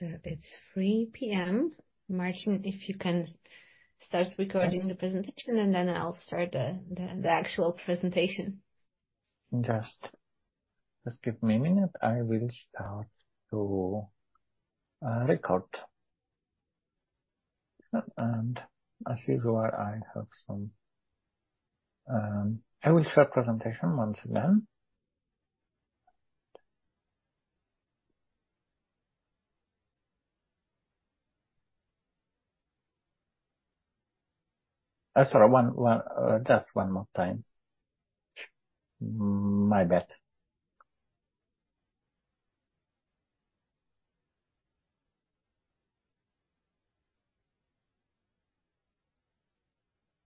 It's 3:00 P.M. Marcin, if you can start recording the presentation, and then I'll start the actual presentation. Just, just give me a minute. I will start to record. As usual, I have some... I will share presentation once again. Sorry, one, one, just one more time. My bad.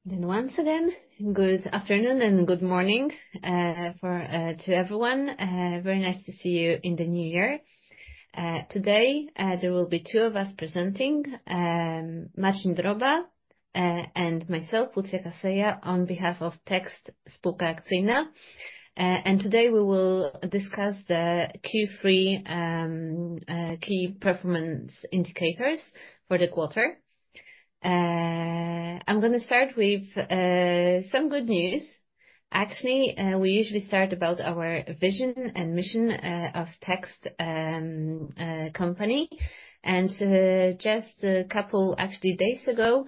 Then once again, good afternoon and good morning, for to everyone. Very nice to see you in the new year. Today, there will be two of us presenting, Marcin Droba, and myself, Łucja Kaseja, on behalf of Text Spółka Akcyjna. And today we will discuss the Q3, key performance indicators for the quarter. I'm gonna start with some good news. Actually, we usually start about our vision and mission of Text company. And just a couple actually days ago,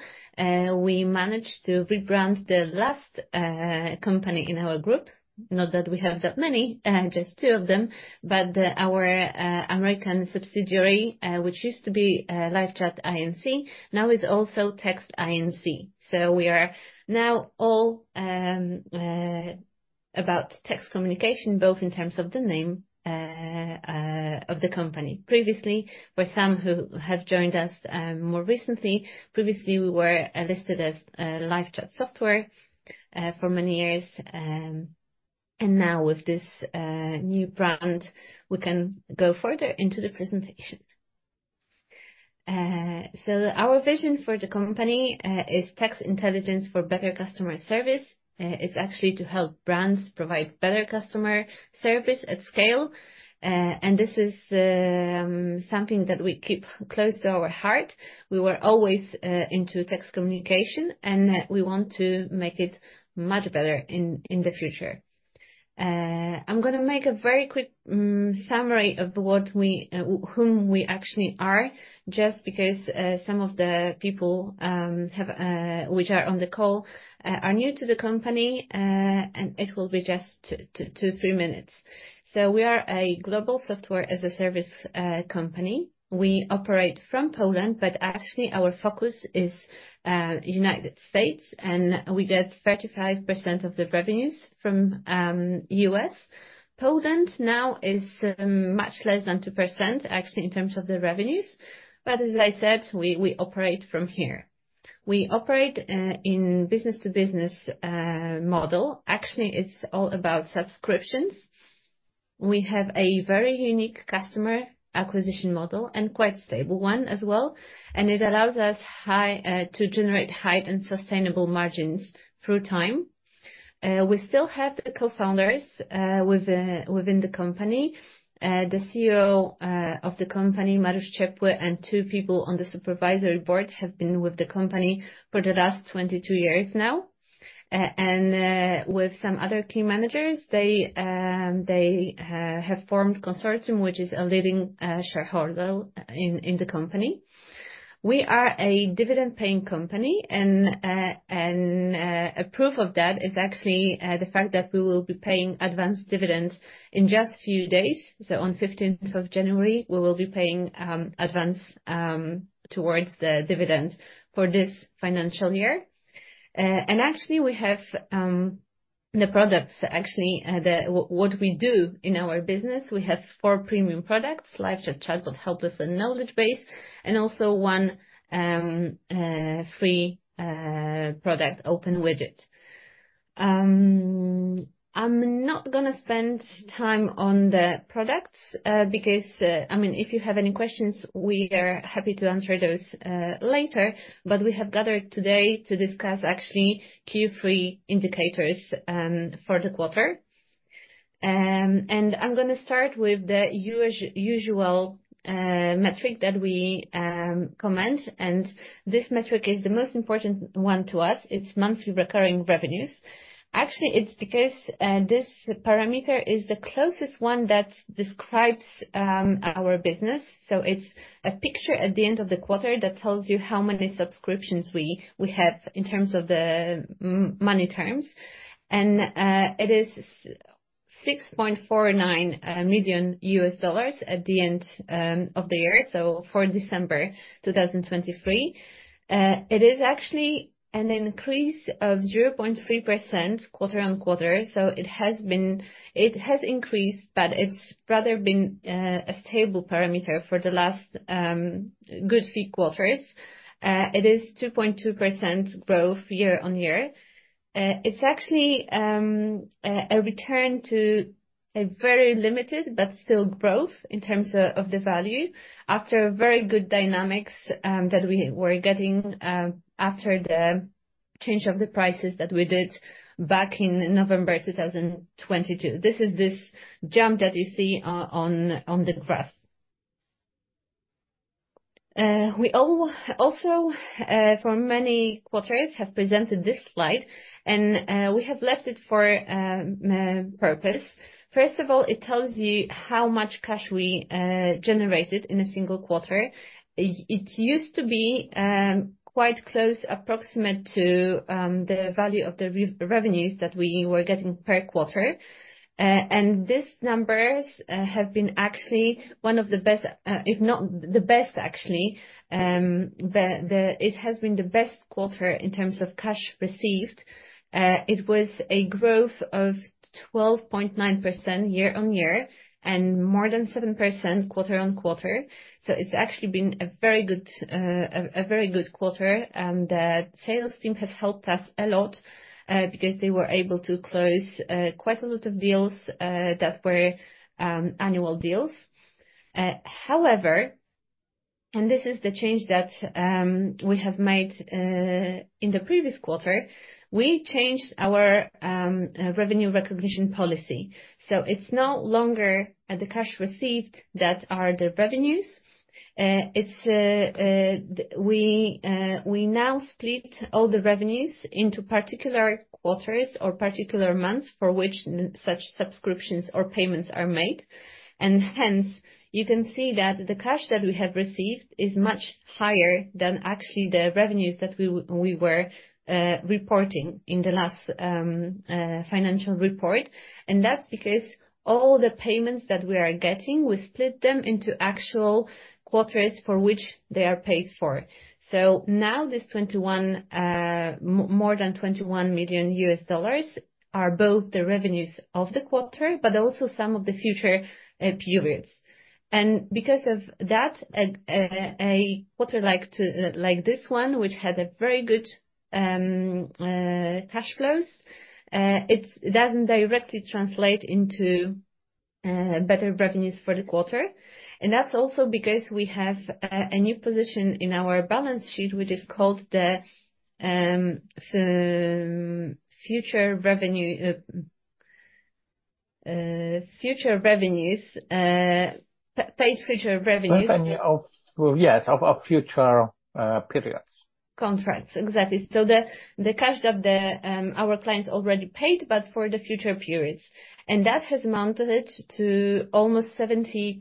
we managed to rebrand the last company in our group. Not that we have that many, just two of them, but our American subsidiary, which used to be LiveChat Inc, now is also Text Inc. So we are now all about text communication, both in terms of the name of the company. Previously, for some who have joined us more recently, we were listed as LiveChat Software for many years. And now with this new brand, we can go further into the presentation. So our vision for the company is text intelligence for better customer service. It's actually to help brands provide better customer service at scale, and this is something that we keep close to our heart. We were always into text communication, and we want to make it much better in the future. I'm gonna make a very quick summary of whom we actually are, just because some of the people which are on the call are new to the company, and it will be just two, three minutes. So we are a global software as a service company. We operate from Poland, but actually our focus is United States, and we get 35% of the revenues from US. Poland now is much less than 2%, actually, in terms of the revenues. But as I said, we operate from here. We operate in business to business model. Actually, it's all about subscriptions. We have a very unique customer acquisition model, and quite stable one as well, and it allows us high to generate high and sustainable margins through time. We still have the co-founders within the company. The CEO of the company, Mariusz Ciepły, and two people on the supervisory board have been with the company for the last 22 years now. And with some other key managers, they have formed a consortium, which is a leading shareholder in the company. We are a dividend-paying company, and a proof of that is actually the fact that we will be paying advance dividends in just few days. So on fifteenth of January, we will be paying advance towards the dividend for this financial year. And actually we have the products, actually, the what we do in our business, we have four premium products: LiveChat, ChatBot, HelpDesk, and KnowledgeBase, and also one free product, OpenWidget. I'm not gonna spend time on the products, because, I mean, if you have any questions, we are happy to answer those, later. But we have gathered today to discuss actually Q3 indicators, for the quarter. I'm gonna start with the usual, metric that we, comment, and this metric is the most important one to us, it's monthly recurring revenues. Actually, it's because, this parameter is the closest one that describes, our business. So it's a picture at the end of the quarter that tells you how many subscriptions we, we have in terms of the m-money terms. It is 6.49 million US dollars at the end, of the year, so for December 2023. It is actually an increase of 0.3% quarter-on-quarter. So it has been. It has increased, but it's rather been a stable parameter for the last good few quarters. It is 2.2% growth year-on-year. It's actually a return to a very limited but still growth in terms of the value, after a very good dynamics that we were getting after the change of the prices that we did back in November 2022. This is this jump that you see on the graph. We also, for many quarters, have presented this slide, and we have left it for purpose. First of all, it tells you how much cash we generated in a single quarter. It used to be quite close, approximate to the value of the revenues that we were getting per quarter. These numbers have been actually one of the best, if not the best, actually. It has been the best quarter in terms of cash received. It was a growth of 12.9% year-on-year, and more than 7% quarter-on-quarter. So it's actually been a very good quarter, and the sales team has helped us a lot because they were able to close quite a lot of deals that were annual deals. However, this is the change that we have made in the previous quarter. We changed our revenue recognition policy, so it's no longer the cash received that are the revenues. We now split all the revenues into particular quarters or particular months for which such subscriptions or payments are made, and hence, you can see that the cash that we have received is much higher than actually the revenues that we were reporting in the last financial report. And that's because all the payments that we are getting, we split them into actual quarters for which they are paid for. So now, this more than $21 million are both the revenues of the quarter, but also some of the future periods. And because of that, a quarter like this one, which had a very good cash flows, it doesn't directly translate into better revenues for the quarter, and that's also because we have a new position in our balance sheet, which is called the future revenue, future revenues, paid future revenues. Well, yes, of future periods. Contracts. Exactly. So the cash that our clients already paid, but for the future periods, and that has amounted to almost 70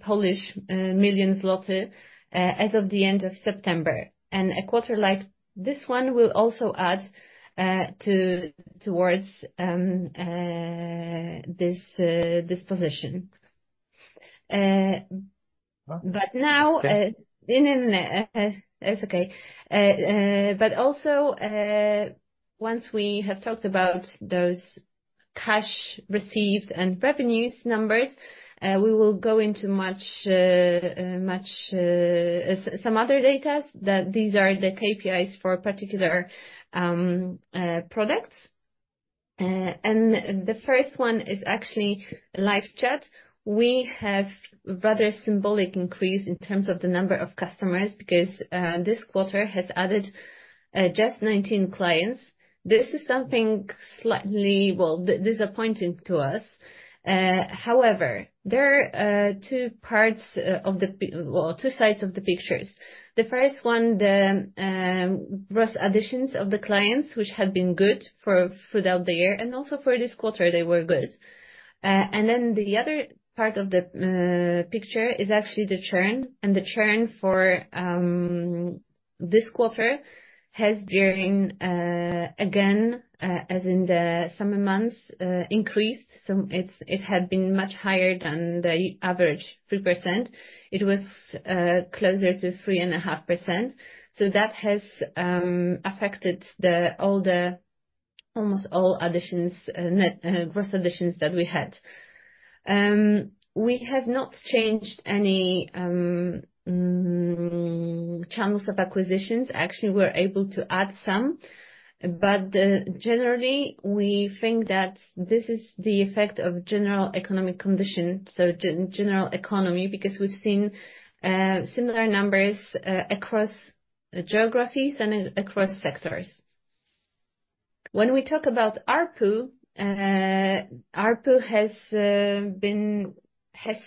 million zloty as of the end of September. A quarter like this one will also add towards this position. Uh. But now, no, no, no, it's okay. But also, once we have talked about those cash received and revenues numbers, we will go into much, much, some other data, that these are the KPIs for particular products. And the first one is actually LiveChat. We have rather symbolic increase in terms of the number of customers, because this quarter has added just 19 clients. This is something slightly, well, disappointing to us. However, there are two parts of the or two sides of the pictures. The first one, the gross additions of the clients, which had been good for throughout the year, and also for this quarter, they were good. And then the other part of the picture is actually the churn, and the churn for this quarter has, during again as in the summer months, increased. So it had been much higher than the average 3%. It was closer to 3.5%. So that has affected almost all additions, net gross additions that we had. We have not changed any channels of acquisitions. Actually, we're able to add some, but generally, we think that this is the effect of general economic condition, so general economy, because we've seen similar numbers across geographies and across sectors. When we talk about ARPU, ARPU has been... has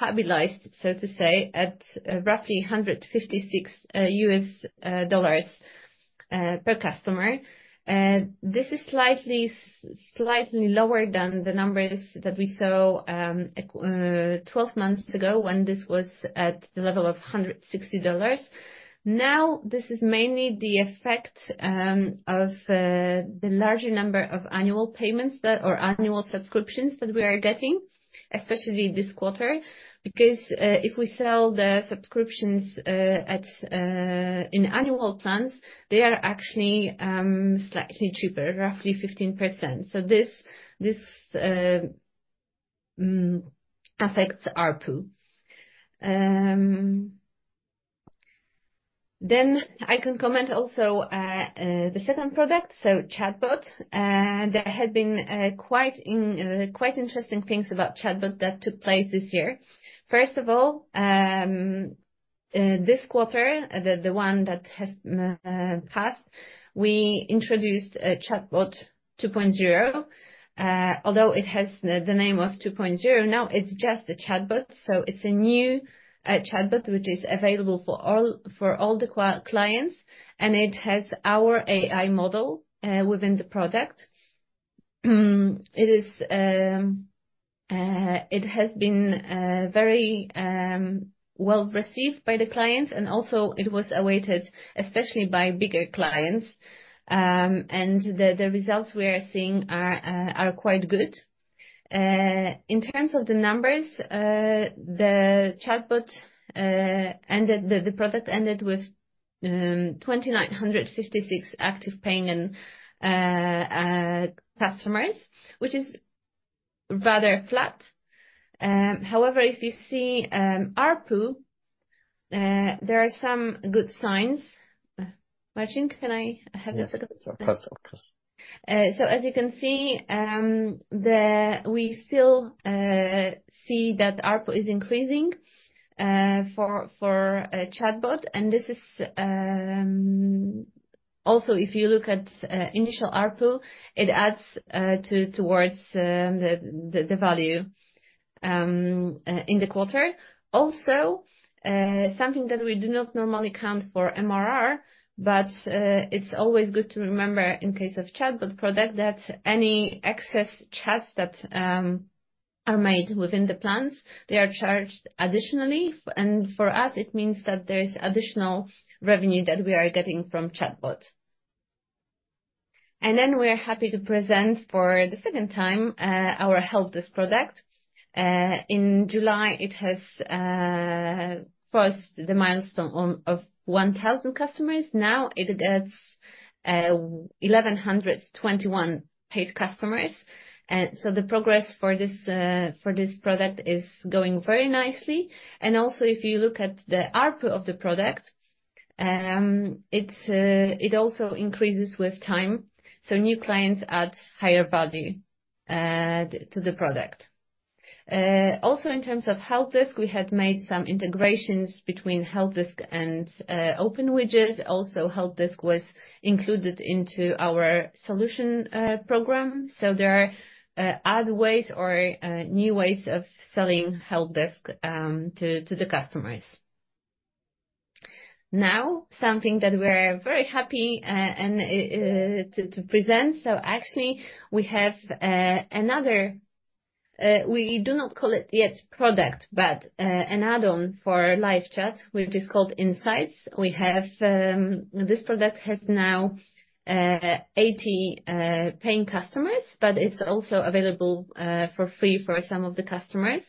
stabilized, so to say, at roughly $156 per customer. This is slightly, slightly lower than the numbers that we saw, 12 months ago, when this was at the level of $160. Now, this is mainly the effect of the larger number of annual subscriptions that we are getting, especially this quarter. Because, if we sell the subscriptions, in annual plans, they are actually, slightly cheaper, roughly 15%. So this affects ARPU. Then I can comment also the second product, so ChatBot. There had been quite interesting things about ChatBot that took place this year. First of all, this quarter, the one that has passed, we introduced a ChatBot 2.0, although it has the name of 2.0, now it's just a ChatBot. So it's a new chatbot, which is available for all clients, and it has our AI model within the product. It is it has been very well-received by the clients, and also it was awaited, especially by bigger clients. And the results we are seeing are quite good. In terms of the numbers, the ChatBot product ended with 2,956 active paying customers, which is rather flat. However, if you see ARPU, there are some good signs. Marcin, can I have this? Yes, of course. Of course. So as you can see, we still see that ARPU is increasing for ChatBot, and this is... Also, if you look at initial ARPU, it adds towards the value in the quarter. Also, something that we do not normally count for MRR, but it's always good to remember in case of ChatBot product, that any excess chats that are made within the plans, they are charged additionally, and for us, it means that there is additional revenue that we are getting from ChatBot. And then we're happy to present for the second time our HelpDesk product. In July, it has crossed the milestone of 1,000 customers. Now it has 1,121 paid customers. So the progress for this product is going very nicely. Also, if you look at the ARPU of the product, it also increases with time, so new clients add higher value to the product. Also, in terms of HelpDesk, we had made some integrations between HelpDesk and OpenWidget. Also, HelpDesk was included into our solution program. So there are other ways or new ways of selling HelpDesk to the customers. Now, something that we're very happy to present. So actually, we have another. We do not call it yet product, but an add-on for LiveChat, which is called Insights. This product has now 80 paying customers, but it's also available for free for some of the customers.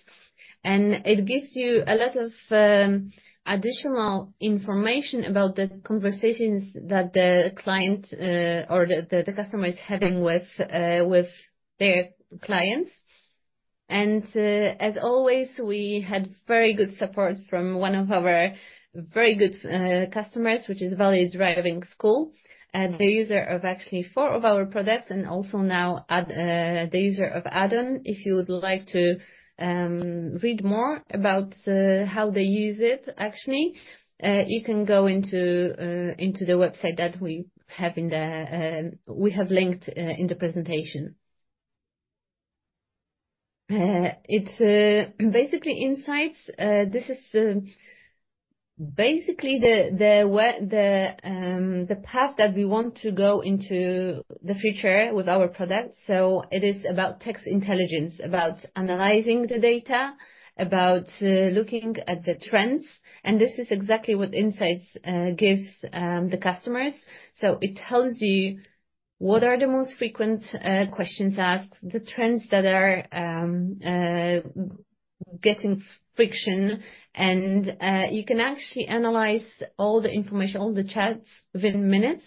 It gives you a lot of additional information about the conversations that the client or the customer is having with their clients. As always, we had very good support from one of our very good customers, which is Valley Driving School, the user of actually four of our products and also now the user of Add-on. If you would like to read more about how they use it, actually, you can go into the website that we have linked in the presentation. It's basically Insights. This is basically the path that we want to go into the future with our product. So it is about text intelligence, about analyzing the data, about looking at the trends, and this is exactly what Insights gives the customers. So it tells you what are the most frequent questions asked, the trends that are getting friction, and you can actually analyze all the information, all the chats, within minutes,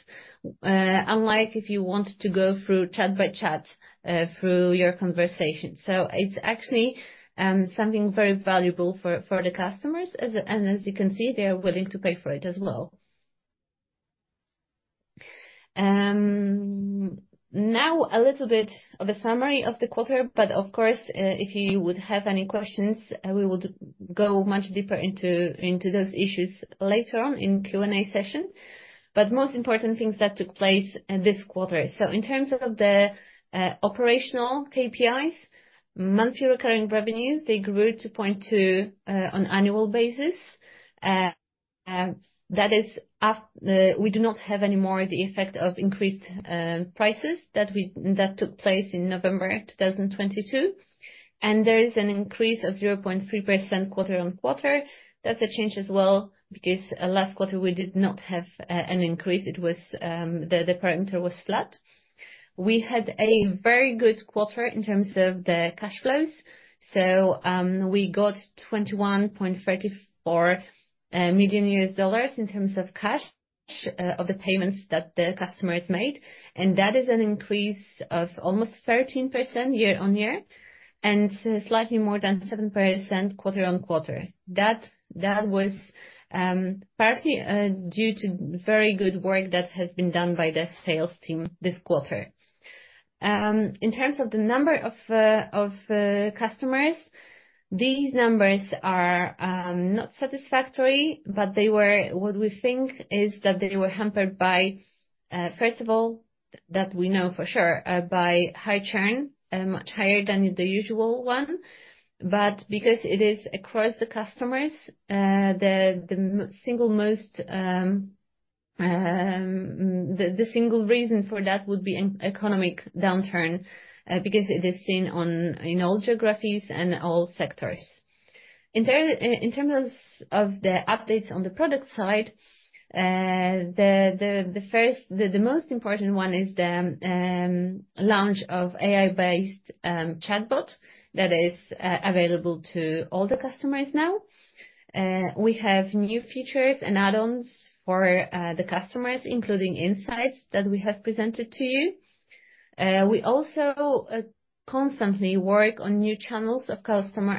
unlike if you want to go through chat by chat through your conversation. So it's actually something very valuable for the customers. And as you can see, they are willing to pay for it as well. Now a little bit of a summary of the quarter, but of course, if you would have any questions, we would go much deeper into, into those issues later on in Q&A session. But most important things that took place in this quarter. So in terms of the operational KPIs, monthly recurring revenues, they grew 0.2% on annual basis. That is, we do not have any more the effect of increased prices that we... That took place in November 2022. And there is an increase of 0.3% quarter-on-quarter. That's a change as well, because last quarter, we did not have an increase. It was the parameter was flat. We had a very good quarter in terms of the cash flows. So, we got $21.34 million in terms of cash of the payments that the customers made, and that is an increase of almost 13% year-on-year, and slightly more than 7% quarter-on-quarter. That was partly due to very good work that has been done by the sales team this quarter. In terms of the number of customers, these numbers are not satisfactory, but what we think is that they were hampered by, first of all, that we know for sure, by high churn, much higher than the usual one. But because it is across the customers, the single reason for that would be an economic downturn, because it is seen in all geographies and all sectors. In terms of the updates on the product side, the most important one is the launch of AI-based ChatBot that is available to all the customers now. We have new features and add-ons for the customers, including Insights that we have presented to you. We also constantly work on new channels of customer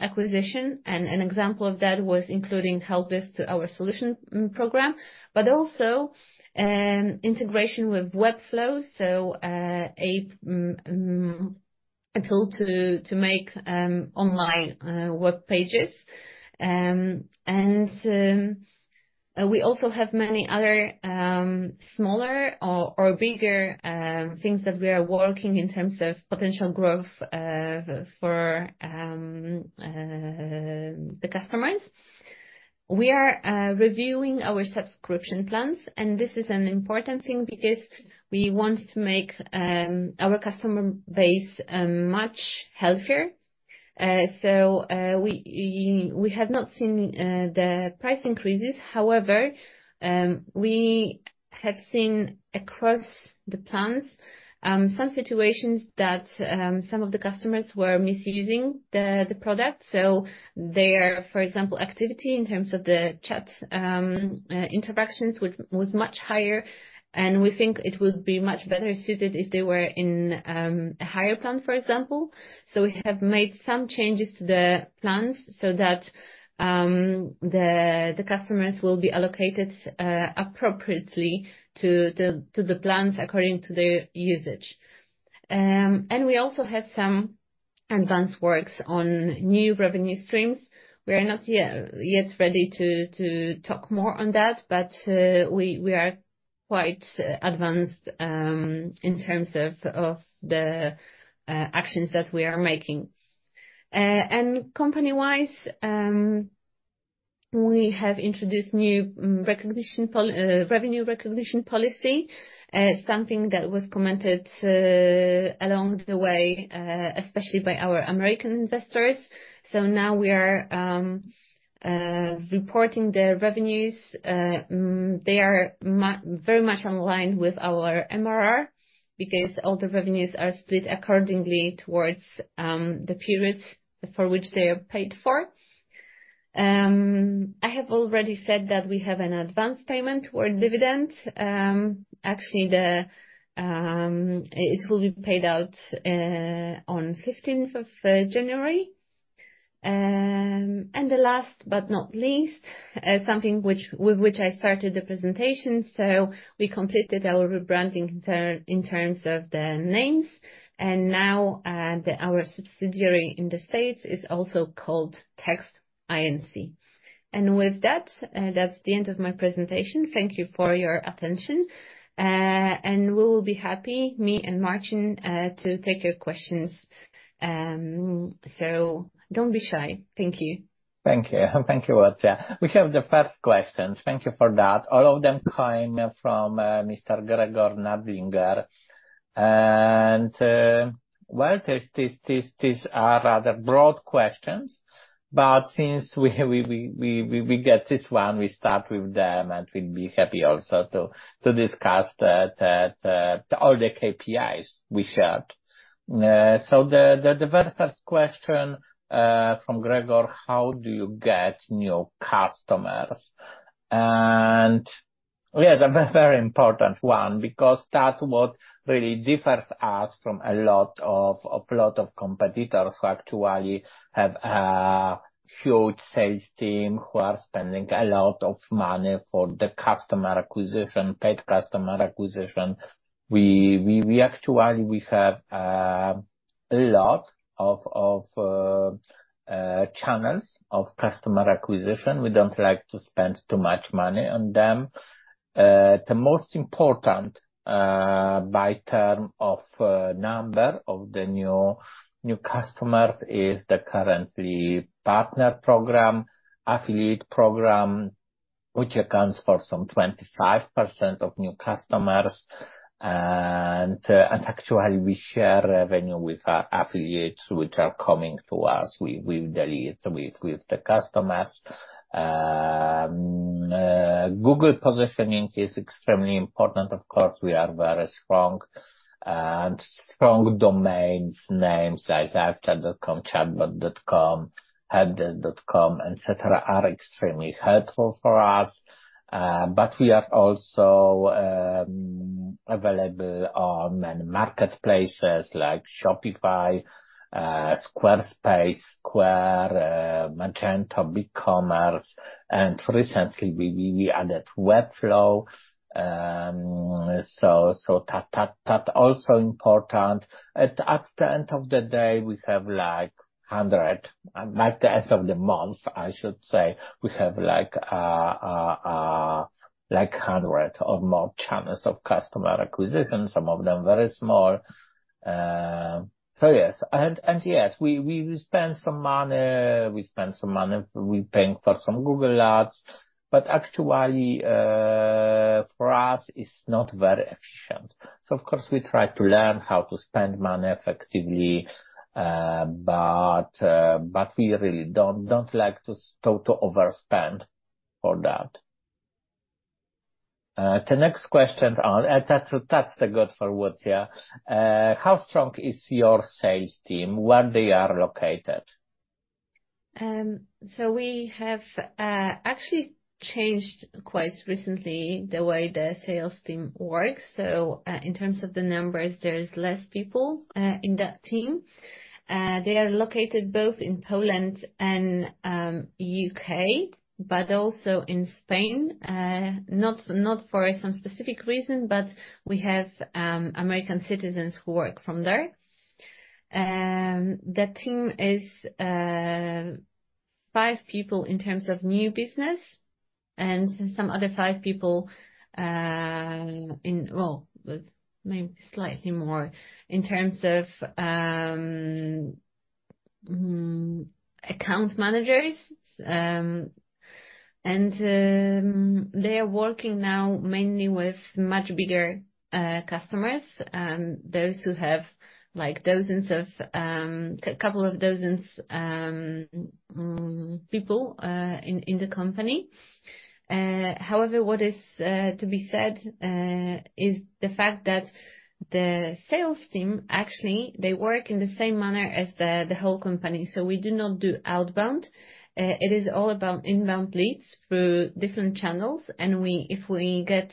acquisition, and an example of that was including HelpDesk to our solution program, but also integration with Webflow. So, a tool to make online web pages. And we also have many other smaller or bigger things that we are working on in terms of potential growth for the customers. We are reviewing our subscription plans, and this is an important thing because we want to make our customer base much healthier. So we have not seen the price increases. However, we have seen across the plans, some situations that, some of the customers were misusing the, the product. So their, for example, activity in terms of the chat, interactions, was much higher, and we think it would be much better suited if they were in, a higher plan, for example. So we have made some changes to the plans so that, the customers will be allocated, appropriately to the, plans according to their usage. And we also have some advanced works on new revenue streams. We are not yet ready to talk more on that, but, we are quite advanced, in terms of, the actions that we are making. And company-wise, we have introduced new revenue recognition policy, something that was commented along the way, especially by our American investors. So now we are reporting the revenues. They are very much in line with our MRR, because all the revenues are split accordingly towards the periods for which they are paid for. I have already said that we have an advanced payment or dividend. Actually, it will be paid out on fifteenth of January. And the last but not least, something with which I started the presentation. So we completed our rebranding in terms of the names, and now, our subsidiary in the States is also called Text Inc. And with that, that's the end of my presentation. Thank you for your attention. We will be happy, me and Marcin, to take your questions, so don't be shy. Thank you. Thank you. Thank you, Lucja. We have the first questions. Thank you for that. All of them coming from Mr. Gregor Nadlinger. And, well, these are rather broad questions, but since we get this one, we start with them, and we'd be happy also to discuss all the KPIs we shared. So the very first question from Gregor: "How do you get new customers?" And, yes, a very, very important one, because that's what really differs us from a lot of competitors who actually have a huge sales team, who are spending a lot of money for the customer acquisition, paid customer acquisition. We actually have a lot of channels of customer acquisition. We don't like to spend too much money on them. The most important, in terms of number of the new customers, is the current partner program, affiliate program, which accounts for some 25% of new customers. And actually, we share revenue with our affiliates, which are coming to us. We deal with the customers. Google positioning is extremely important. Of course, we are very strong, and strong domain names like LiveChat.com, ChatBot.com, HelpDesk.com, et cetera, are extremely helpful for us. But we are also available on many marketplaces like Shopify, Squarespace, Square, Magento, BigCommerce, and recently we added Webflow. So, that also important. At the end of the day, we have like 100—by the end of the month, I should say, we have like 100 or more channels of customer acquisition, some of them very small. So yes. And yes, we spend some money, we spend some money, we're paying for some Google Ads, but actually for us, it's not very efficient. So of course, we try to learn how to spend money effectively, but we really don't like to overspend for that. The next question on that's the good for Lucja. How strong is your sales team? Where they are located? So we have actually changed quite recently the way the sales team works. So, in terms of the numbers, there's less people in that team. They are located both in Poland and U.K., but also in Spain. Not for some specific reason, but we have American citizens who work from there. The team is five people in terms of new business, and some other five people in... Well, maybe slightly more, in terms of account managers. And they are working now mainly with much bigger customers, those who have, like, dozens of couple of dozens people in the company. However, what is to be said is the fact that the sales team, actually, they work in the same manner as the whole company, so we do not do outbound. It is all about inbound leads through different channels, and if we get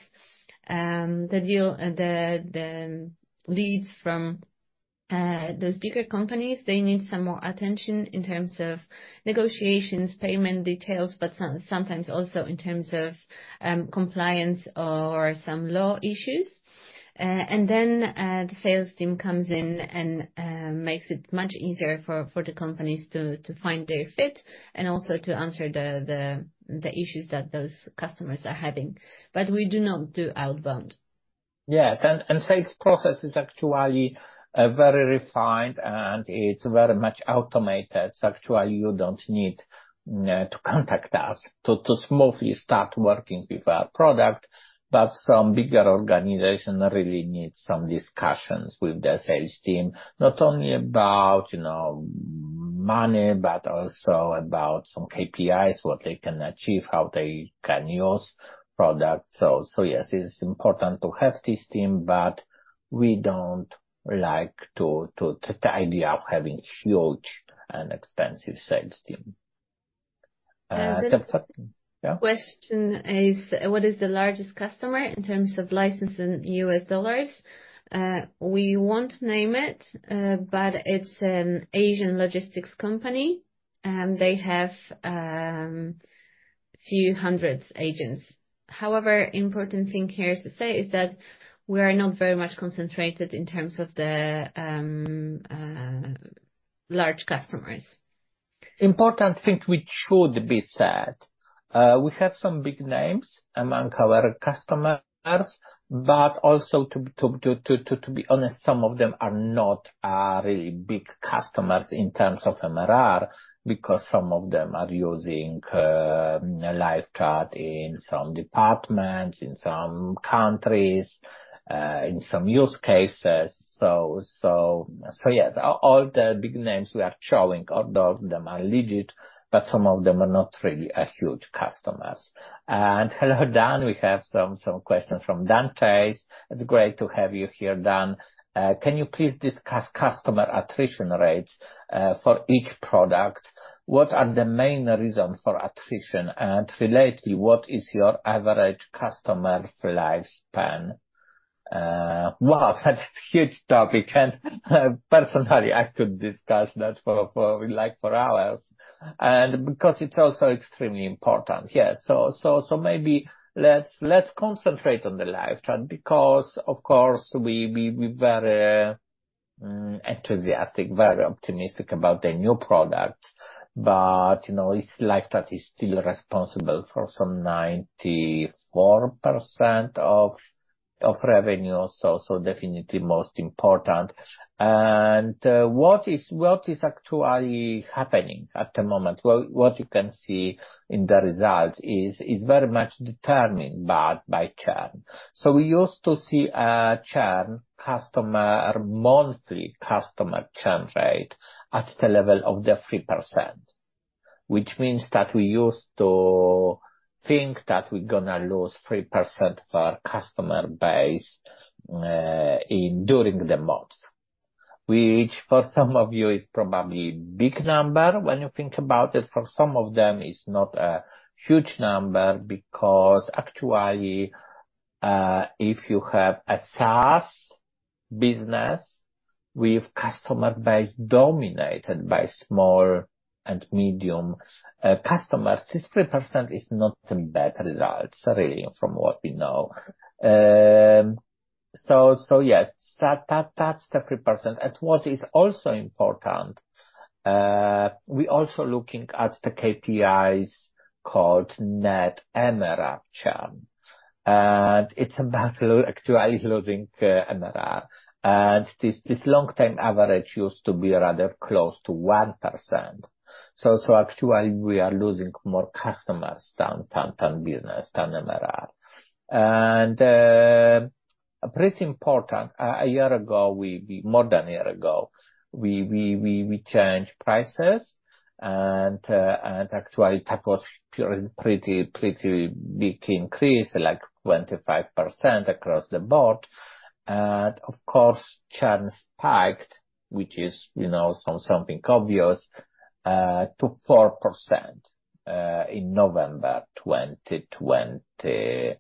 the deal, the leads from those bigger companies, they need some more attention in terms of negotiations, payment details, but sometimes also in terms of compliance or some law issues. And then the sales team comes in and makes it much easier for the companies to find their fit, and also to answer the issues that those customers are having. But we do not do outbound. Yes, sales process is actually very refined, and it's very much automated. Actually, you don't need to contact us to smoothly start working with our product, but some bigger organization really needs some discussions with the sales team, not only about, you know, money, but also about some KPIs, what they can achieve, how they can use product. So, yes, it's important to have this team, but we don't like the idea of having huge and extensive sales team. Yeah? Question is: What is the largest customer in terms of license in U.S. dollars? We won't name it, but it's an Asian logistics company, and they have few hundreds agents. However, important thing here to say is that we are not very much concentrated in terms of the large customers. Important thing which should be said, we have some big names among our customers, but also, to be honest, some of them are not really big customers in terms of MRR, because some of them are using LiveChat in some departments, in some countries, in some use cases. So yes, all the big names we are showing, all of them are legit, but some of them are not really a huge customers. Hello, Dan, we have some questions from Dante. It's great to have you here, Dan. Can you please discuss customer attrition rates for each product? What are the main reasons for attrition? And related, what is your average customer lifespan? Wow, that's huge topic, and personally, I could discuss that for like for hours, and because it's also extremely important. Yes. So maybe let's concentrate on the LiveChat, because, of course, we very enthusiastic, very optimistic about the new product, but, you know, it's LiveChat is still responsible for some 94% of revenue, so definitely most important. And what is actually happening at the moment? Well, what you can see in the results is very much determined but by churn. So we used to see a churn customer monthly customer churn rate at the level of the 3%, which means that we used to think that we're gonna lose 3% of our customer base during the month. Which for some of you is probably big number when you think about it. For some of them, it's not a huge number because actually, if you have a SaaS business with customer base dominated by small and medium customers, this 3% is not a bad result, really, from what we know. So yes, that's the 3%. And what is also important, we're also looking at the KPIs called Net MRR Churn, and it's about actually losing MRR. And this long-term average used to be rather close to 1%. So actually, we are losing more customers than business than MRR. And pretty important, more than a year ago, we changed prices, and actually that was pretty big increase, like 25% across the board. Of course, churn spiked, which is, you know, something obvious, to 4%, in November 2022.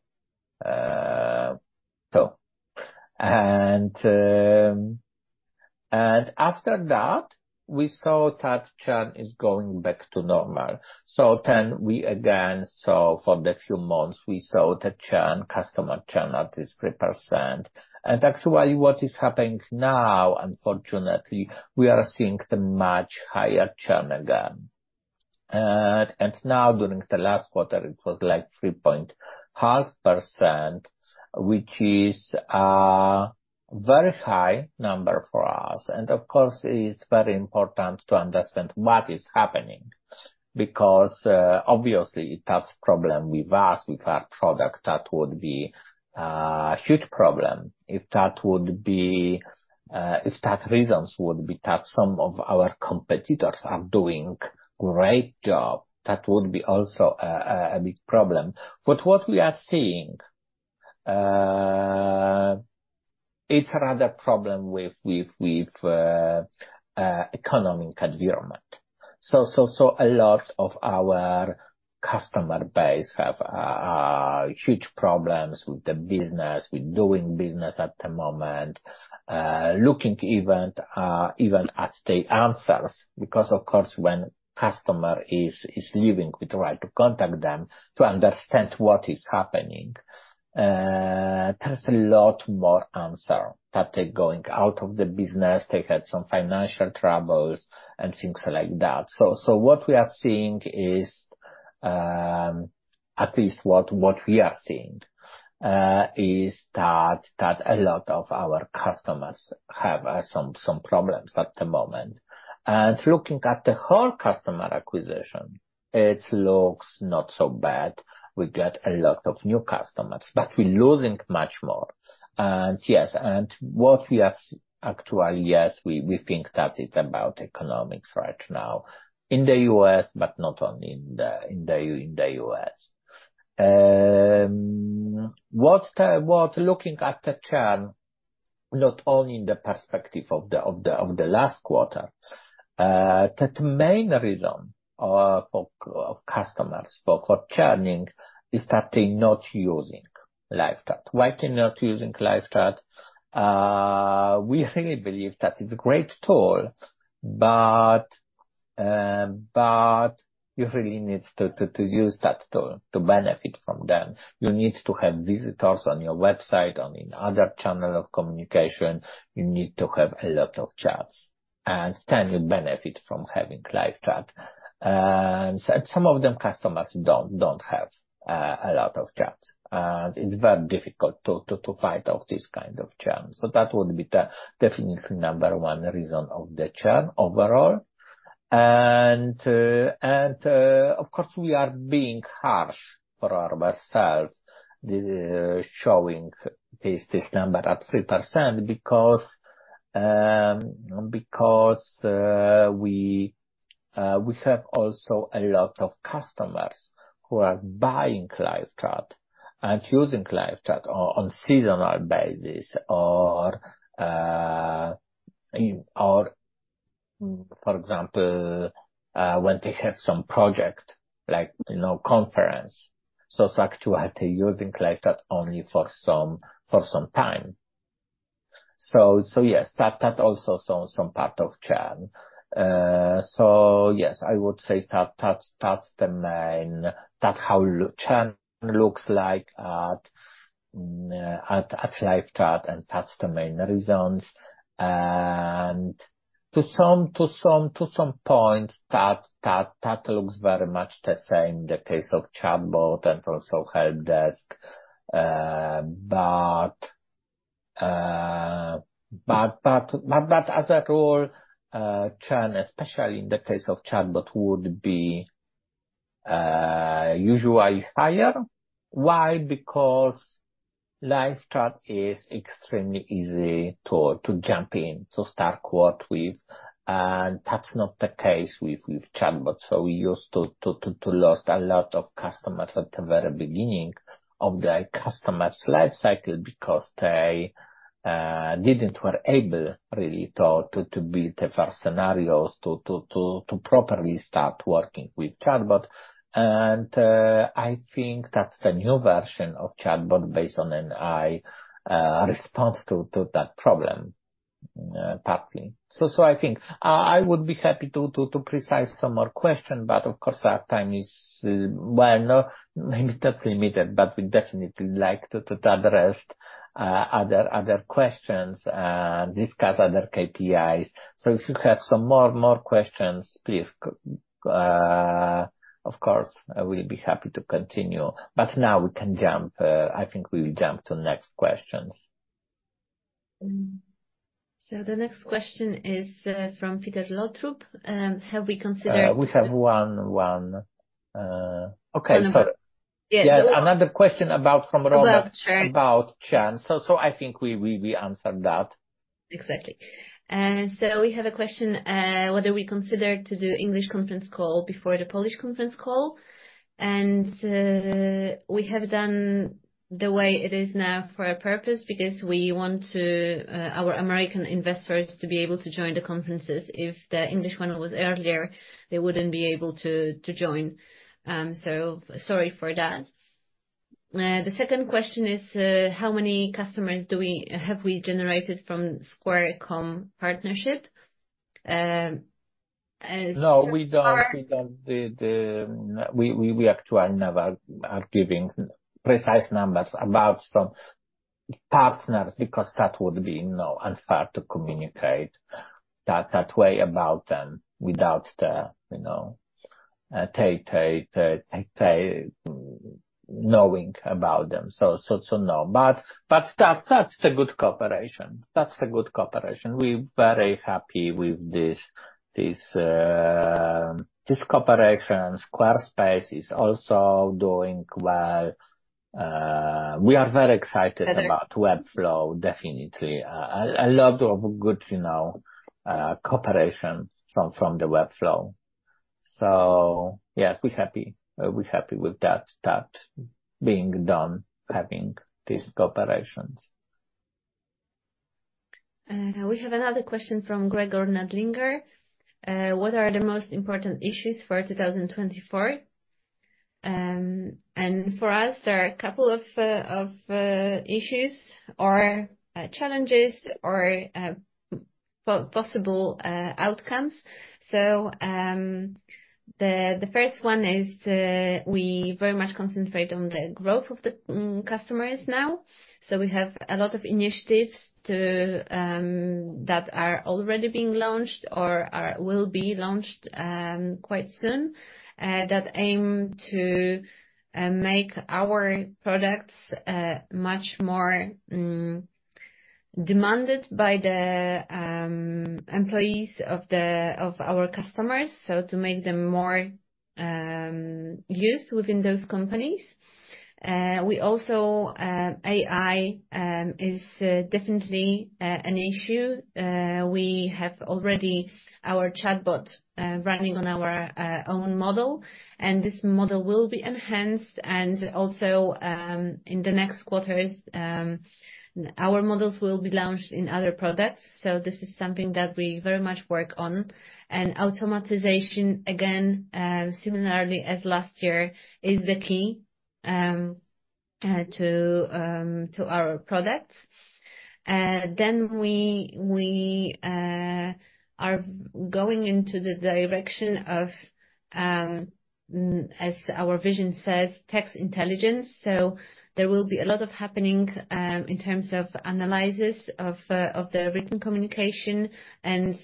And after that, we saw that churn is going back to normal. So then we again saw for the few months, we saw the churn, customer churn at this 3%. And actually, what is happening now, unfortunately, we are seeing the much higher churn again. And now, during the last quarter, it was like 3.5%, which is a very high number for us. And of course, it's very important to understand what is happening, because, obviously, if that's problem with us, with our product, that would be a huge problem. If that would be, if that reasons would be that some of our competitors are doing great job, that would be also a big problem. But what we are seeing, it's rather problem with economic environment. So a lot of our customer base have huge problems with the business, with doing business at the moment, looking even at the answers, because, of course, when customer is leaving, we try to contact them to understand what is happening. There's a lot more answer that they're going out of the business, they had some financial troubles and things like that. So what we are seeing is, at least what we are seeing, is that a lot of our customers have some problems at the moment. And looking at the whole customer acquisition, it looks not so bad. We get a lot of new customers, but we're losing much more. Yes, what we are actually, yes, we think that it's about economics right now in the U.S., but not only in the U.S. What looking at the churn, not only in the perspective of the last quarter, the main reason for of customers for churning is that they're not using LiveChat. Why they're not using LiveChat? We really believe that it's a great tool, but you really need to use that tool to benefit from them. You need to have visitors on your website, in other channel of communication. You need to have a lot of chats, and then you benefit from having LiveChat. And some of them, customers don't have a lot of chats, and it's very difficult to fight off this kind of churn. So that would be definitely the number one reason of the churn overall. And of course, we are being harsh on ourselves, showing this number at 3%, because we have also a lot of customers who are buying LiveChat and using LiveChat on seasonal basis or, for example, when they have some project like, you know, conference. So it's actually using LiveChat only for some time. So yes, that also some part of churn. So yes, I would say that that's the main... That's how churn looks like at LiveChat, and that's the main reasons. And to some point, that looks very much the same, the case of ChatBot and also HelpDesk. But as a whole, churn, especially in the case of ChatBot, would be usually higher. Why? Because LiveChat is extremely easy to jump in, to start with, and that's not the case with ChatBot. So we used to lose a lot of customers at the very beginning of the customer's life cycle because they weren't able really to build the first scenarios to properly start working with ChatBot. And I think that's the new version of ChatBot based on an AI response to that problem partly. I think I would be happy to answer some more questions, but of course, our time is, well, not maybe that limited, but we definitely like to address other questions and discuss other KPIs. So if you have some more questions, please, of course, I will be happy to continue, but now we can jump. I think we will jump to the next questions. The next question is from Peter Løtrup. Have we considered- We have one. Okay, sorry. Yes. There's another question about from Robert- About churn. About churn. So, I think we answered that. Exactly. And so we have a question, whether we consider to do English conference call before the Polish conference call? And, we have done the way it is now for a purpose, because we want to, our American investors to be able to join the conferences. If the English one was earlier, they wouldn't be able to join. So sorry for that. The second question is, how many customers have we generated from Square.com partnership? And so- No, we don't. We actually never are giving precise numbers about some partners, because that would be, you know, unfair to communicate that way about them without their knowing about it. So no, but that's a good cooperation. That's a good cooperation. We're very happy with this cooperation. Squarespace is also doing well. We are very excited- Very. -about Webflow, definitely. A lot of good, you know, cooperation from the Webflow. So yes, we're happy. We're happy with that, that being done, having these cooperations. We have another question from Gregor Nadlinger. What are the most important issues for 2024? And for us, there are a couple of issues or challenges or possible outcomes. So, the first one is, we very much concentrate on the growth of the customers now. So we have a lot of initiatives that are already being launched or will be launched quite soon that aim to make our products much more demanded by the employees of our customers, so to make them more used within those companies. We also, AI is definitely an issue. We have already our ChatBot running on our own model, and this model will be enhanced and also in the next quarters our models will be launched in other products. So this is something that we very much work on, and automation, again, similarly as last year, is the key to our products. Then we are going into the direction of, as our vision says, Text Intelligence. So there will be a lot of happening in terms of analysis of the written communication and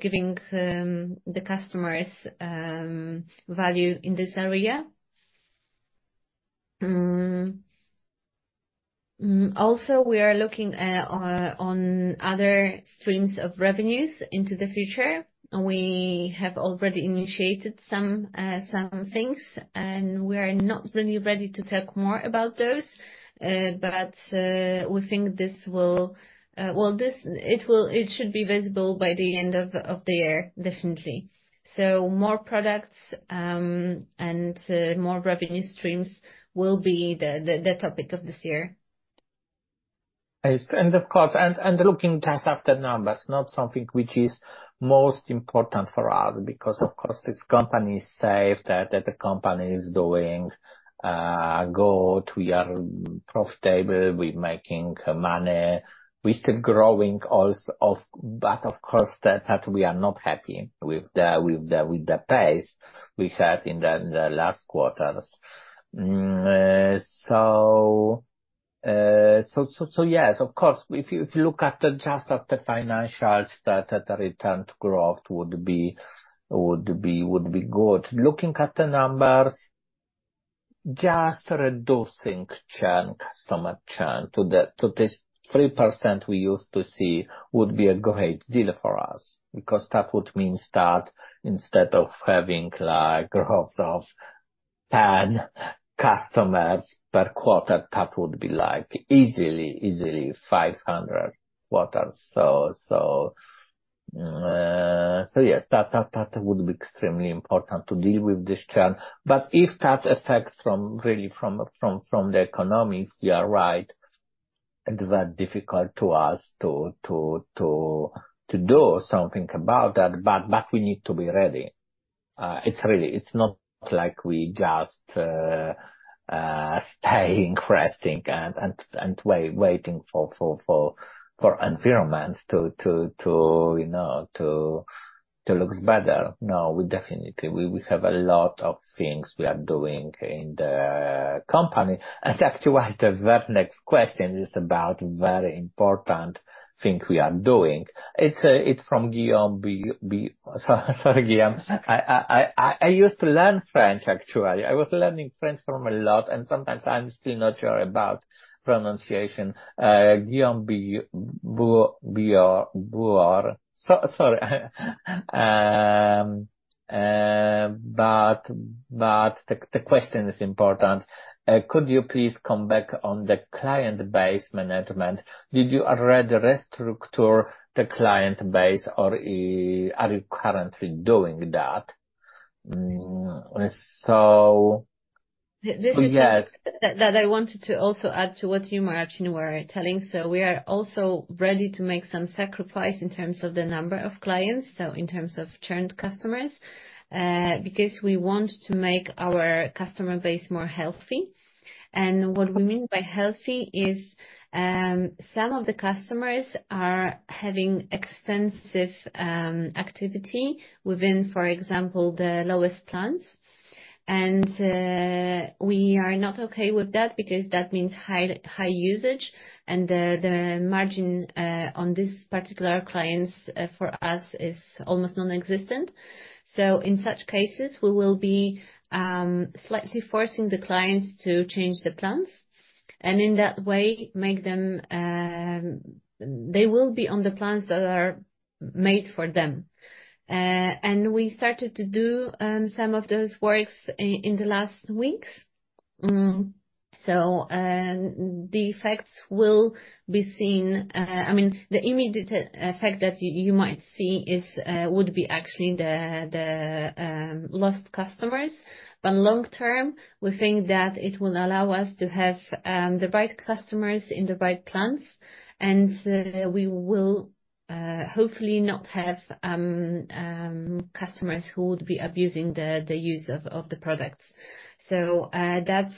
giving the customers value in this area. Also, we are looking on other streams of revenues into the future. We have already initiated some things, and we are not really ready to talk more about those, but we think this will, well, this, it will, it should be visible by the end of the year, definitely. So more products, and more revenue streams will be the topic of this year. Of course, looking just after numbers is not something which is most important for us, because of course, this company is safe, the company is doing good, we are profitable, we're making money, we're still growing. But of course, we are not happy with the pace we had in the last quarters. Yes, of course, if you look at just the financials, the return to growth would be good. Looking at the numbers, just reducing customer churn to this 3% we used to see would be a great deal for us, because that would mean that instead of having like growth of 10 customers per quarter, that would be like easily 500 quarters. So yes, that would be extremely important to deal with this churn. But if that affects from the economics, you are right, it's very difficult for us to do something about that, but we need to be ready. It's really not like we just staying, resting and waiting for environments, you know, to looks better. No, we definitely have a lot of things we are doing in the company. And actually, the very next question is about very important thing we are doing. It's from Guillaume Buor. Sorry, Guillaume. I used to learn French, actually. I was learning French from a lot, and sometimes I'm still not sure about pronunciation. Guillaume Buor. Sorry, but the question is important. Could you please come back on the client base management? Did you already restructure the client base, or are you currently doing that? This is- So, yes. that I wanted to also add to what you, Marcin, were telling. So we are also ready to make some sacrifice in terms of the number of clients, so in terms of churned customers, because we want to make our customer base more healthy. And what we mean by healthy is, some of the customers are having extensive activity within, for example, the lowest plans. And, we are not okay with that because that means high, high usage, and the, the margin on this particular clients for us, is almost non-existent. So in such cases, we will be slightly forcing the clients to change the plans, and in that way, make them they will be on the plans that are made for them. And we started to do some of those works in the last weeks. So, the effects will be seen. I mean, the immediate effect that you might see is would be actually the lost customers. But long term, we think that it will allow us to have the right customers in the right plans, and we will hopefully not have customers who would be abusing the use of the products. So, that's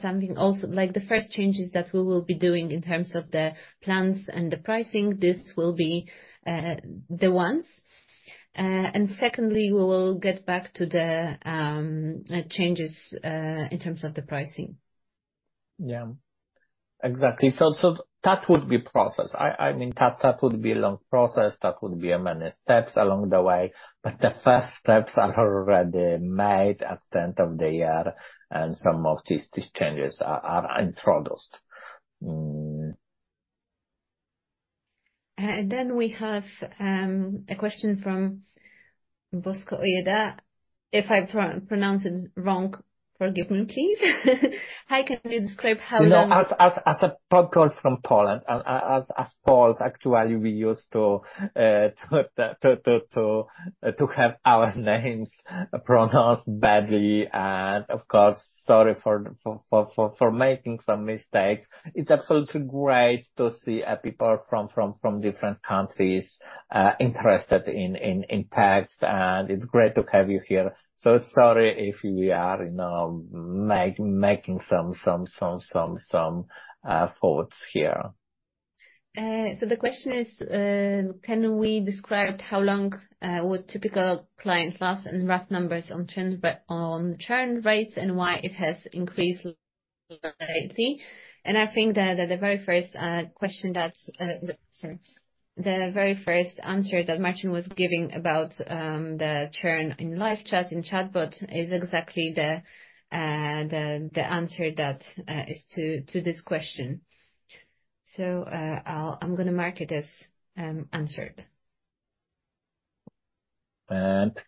something also. Like, the first changes that we will be doing in terms of the plans and the pricing, this will be the ones. And secondly, we will get back to the changes in terms of the pricing. Yeah. Exactly. So that would be process. I mean, that would be a long process, that would be many steps along the way, but the first steps are already made at the end of the year, and some of these changes are introduced. Mm. Then we have a question from Bosco Ojeda. If I pronounce it wrong, forgive me, please. How can you describe how long- You know, as a podcast from Poland, and as Poles, actually, we used to have our names pronounced badly. And of course, sorry for making some mistakes. It's absolutely great to see people from different countries interested in Text, and it's great to have you here. So sorry if we are, you know, making some faults here. So the question is: Can we describe how long would typical client last, and rough numbers on churn rates, and why it has increased lately? And I think that the very first question that, sorry, the very first answer that Marcin was giving about, the churn in LiveChat, in ChatBot, is exactly the answer that is to this question. So, I'm going to mark it as answered.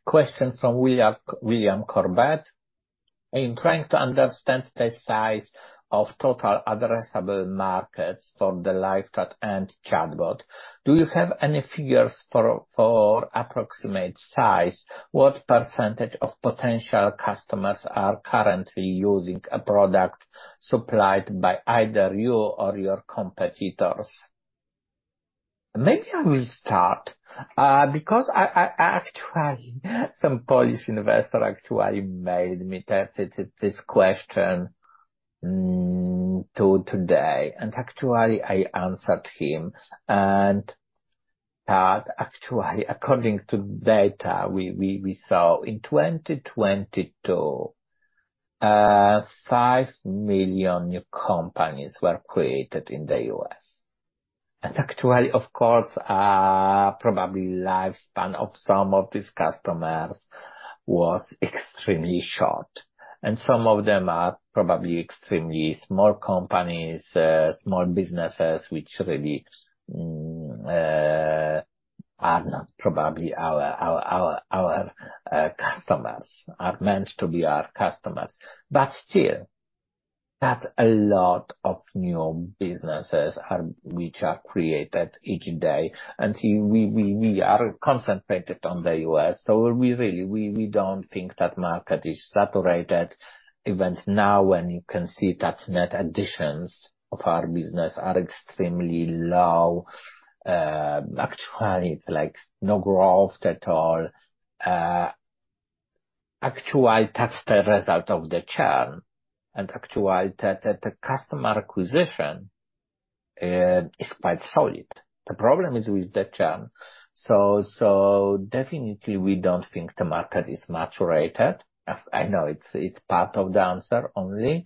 Question from William Corbett: In trying to understand the size of total addressable markets for the LiveChat and ChatBot, do you have any figures for approximate size? What percentage of potential customers are currently using a product supplied by either you or your competitors? Maybe I will start, because actually, some Polish investor actually mailed me that, this question, today, and actually, I answered him. And that, actually, according to data, we saw in 2022, 5 million new companies were created in the U.S. And actually, of course, probably lifespan of some of these customers was extremely short, and some of them are probably extremely small companies, small businesses, which really are not probably our customers, are meant to be our customers. But still-... That's a lot of new businesses which are created each day, and we are concentrated on the U.S., so we really don't think that market is saturated. Even now, when you can see that net additions of our business are extremely low, actually, it's like no growth at all. Actually, that's the result of the churn, and actually, the customer acquisition is quite solid. The problem is with the churn. So definitely we don't think the market is mature. I know it's part of the answer only.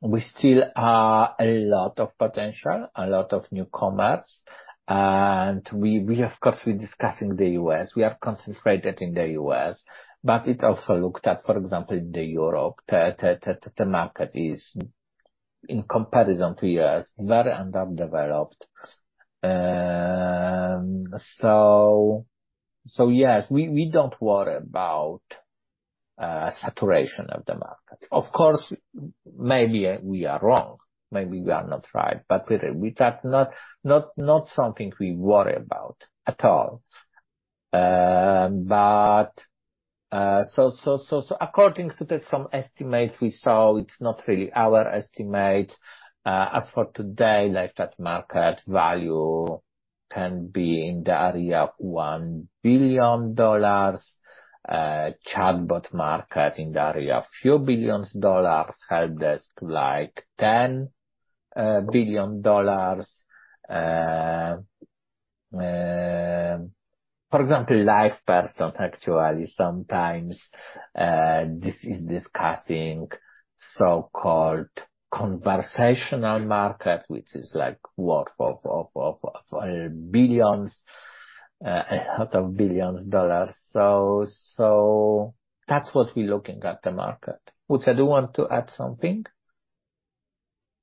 We still have a lot of potential, a lot of newcomers, and we of course we're discussing the U.S. We are concentrated in the U.S., but we're also looking at, for example, in Europe, the market is, in comparison to the U.S., very underdeveloped. So yes, we don't worry about saturation of the market. Of course, maybe we are wrong, maybe we are not right, but really, we do not something we worry about at all. But according to some estimates we saw, it's not really our estimate. As for today, like, that market value can be in the area of $1 billion, chatbot market in the area of a few billion dollars, helpdesk, like $10 billion. For example, LivePerson, actually, sometimes this is discussing so-called conversational market, which is like worth billions of dollars. So that's what we're looking at the market. Uta, do you want to add something?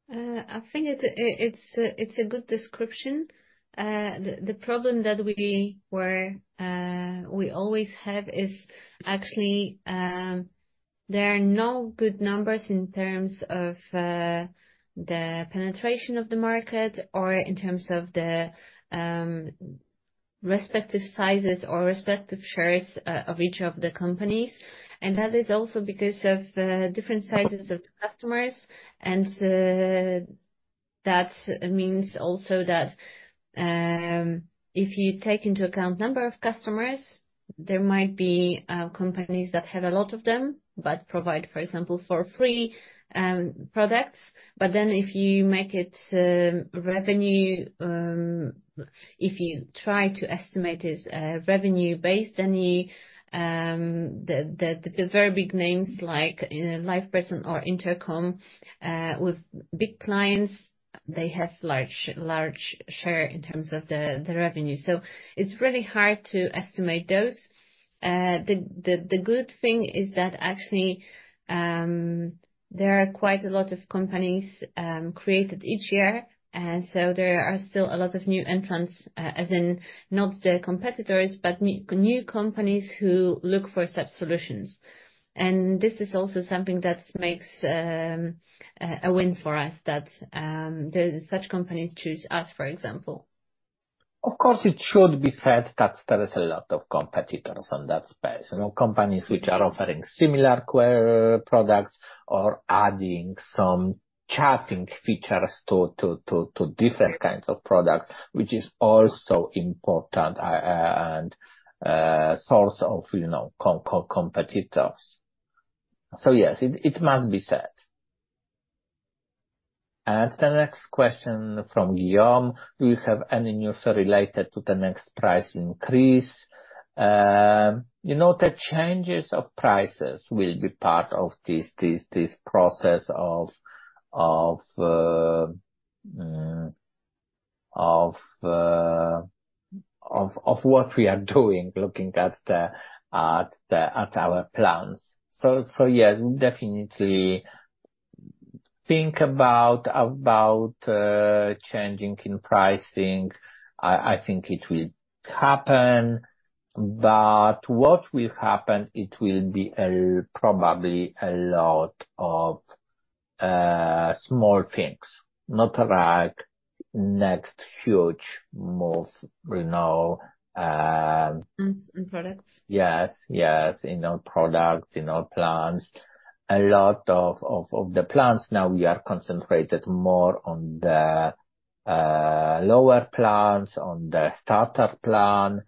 I think it's a good description. The problem that we always have is actually there are no good numbers in terms of the penetration of the market or in terms of the respective sizes or respective shares of each of the companies. And that is also because of different sizes of the customers, and that means also that if you take into account number of customers, there might be companies that have a lot of them, but provide, for example, for free products. But then, if you make it revenue, if you try to estimate it revenue based, then the very big names like LivePerson or Intercom with big clients, they have large share in terms of the revenue. So it's really hard to estimate those. The good thing is that actually there are quite a lot of companies created each year, and so there are still a lot of new entrants, as in not the competitors, but new companies who look for such solutions. And this is also something that makes a win for us, that the such companies choose us, for example. Of course, it should be said that there is a lot of competitors on that space. You know, companies which are offering similar query products or adding some chatting features to different kinds of products, which is also important, source of, you know, competitors. So, yes, it must be said. And the next question from Guillaume: Do you have any news related to the next price increase? You know, the changes of prices will be part of this process of what we are doing, looking at our plans. So yes, we definitely think about changing in pricing. I think it will happen, but what will happen, it will probably be a lot of small things. Not like next huge move, you know. In products. Yes, yes. In our products, in our plans. A lot of the plans now we are concentrated more on the lower plans, on the starter plan.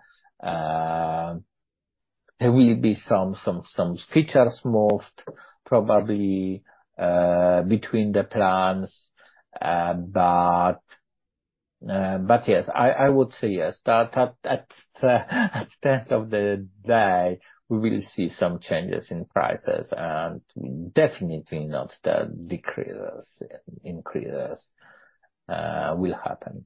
There will be some features moved, probably, between the plans, but yes, I would say yes, that at the end of the day, we will see some changes in prices, and definitely not the decreases, increases will happen.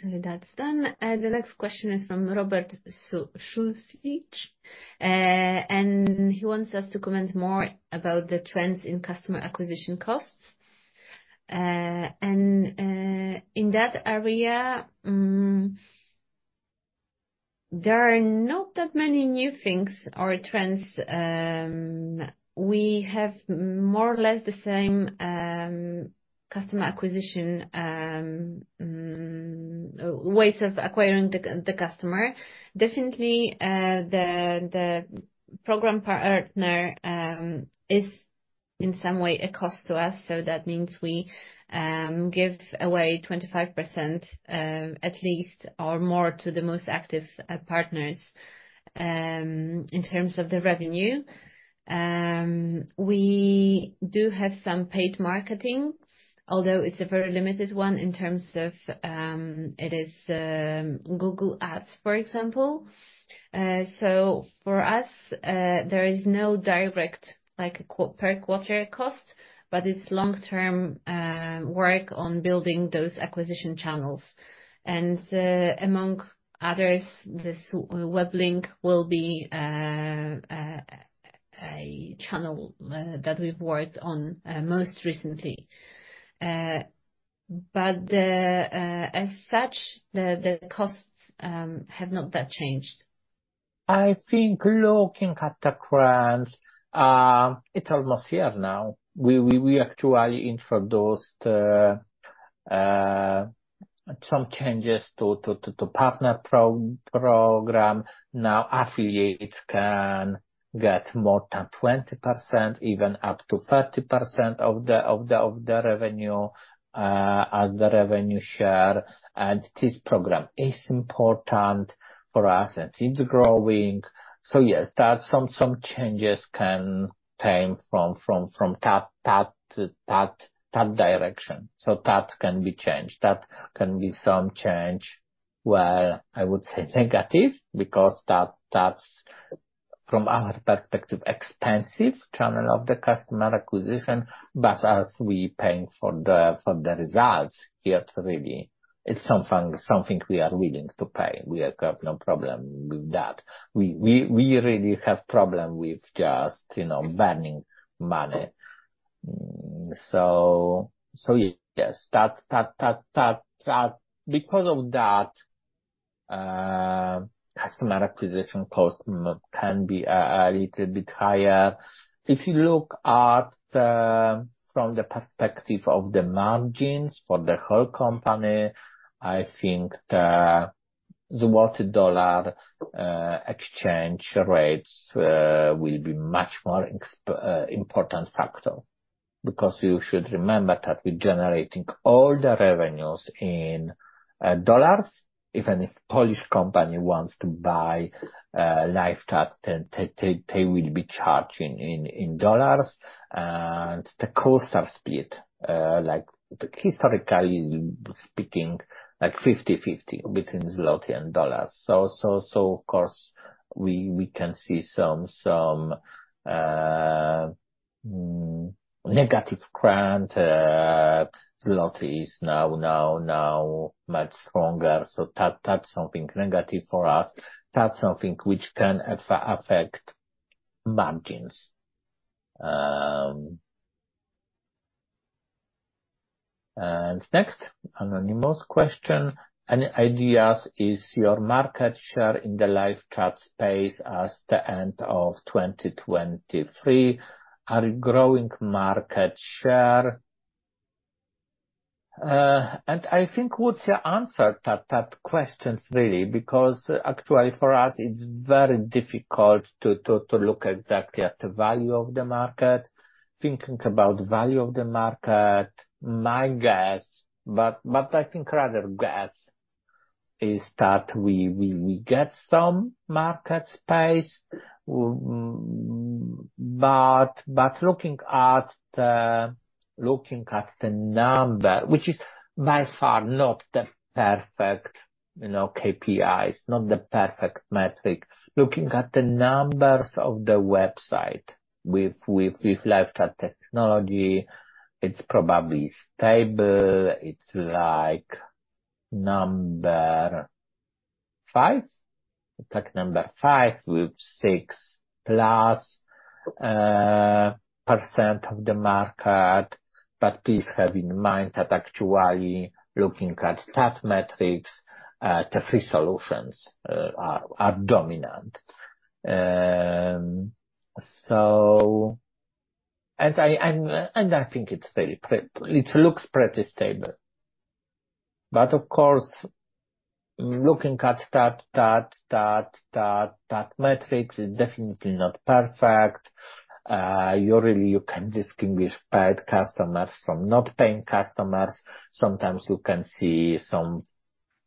So that's done. The next question is from Robert Suszczyk, and he wants us to comment more about the trends in customer acquisition costs. In that area, there are not that many new things or trends. We have more or less the same customer acquisition ways of acquiring the customer. Definitely, the partner program is, in some way, a cost to us, so that means we give away 25%, at least, or more to the most active partners, in terms of the revenue. We do have some paid marketing, although it's a very limited one in terms of, it is Google Ads, for example. So for us, there is no direct, like, a per quarter cost, but it's long-term work on building those acquisition channels. Among others, this Webflow will be a channel that we've worked on most recently. But as such, the costs have not that changed. I think looking at the trends, it's almost here now. We actually introduced some changes to partner program. Now, affiliates can get more than 20%, even up to 30% of the revenue as the revenue share, and this program is important for us, and it's growing. So yes, that's some changes can come from that direction. So that can be changed. That can be some change where I would say negative, because that's from our perspective, expensive channel of the customer acquisition. But as we paying for the results, it really it's something we are willing to pay. We have got no problem with that. We really have problem with just, you know, burning money. So yes, that because of that, customer acquisition cost can be a little bit higher. If you look at from the perspective of the margins for the whole company, I think the złoty-dollar exchange rates will be much more important factor, because you should remember that we're generating all the revenues in dollars. Even if Polish company wants to buy LiveChat, they will be charged in dollars. And the costs are split, like, historically speaking, like 50/50 between złoty and dollars. So of course, we can see some negative current, złoty is now much stronger. So that, that's something negative for us. That's something which can affect margins. Next, anonymous question: Any ideas, is your market share in the LiveChat space at the end of 2023, are you growing market share? And I think Łucja answered that question really, because actually for us, it's very difficult to look exactly at the value of the market. Thinking about value of the market, my guess, but I think rather guess, is that we get some market share. But looking at the number, which is by far not the perfect, you know, KPIs, not the perfect metric. Looking at the numbers of the website with LiveChat technology, it's probably stable. It's like number 5? Like number 5, with 6+% of the market, but please have in mind that actually, looking at that metric, the three solutions are dominant. So, I think it's very pre-- it looks pretty stable. But of course, looking at that metrics is definitely not perfect. You really can distinguish paid customers from not paying customers. Sometimes you can see some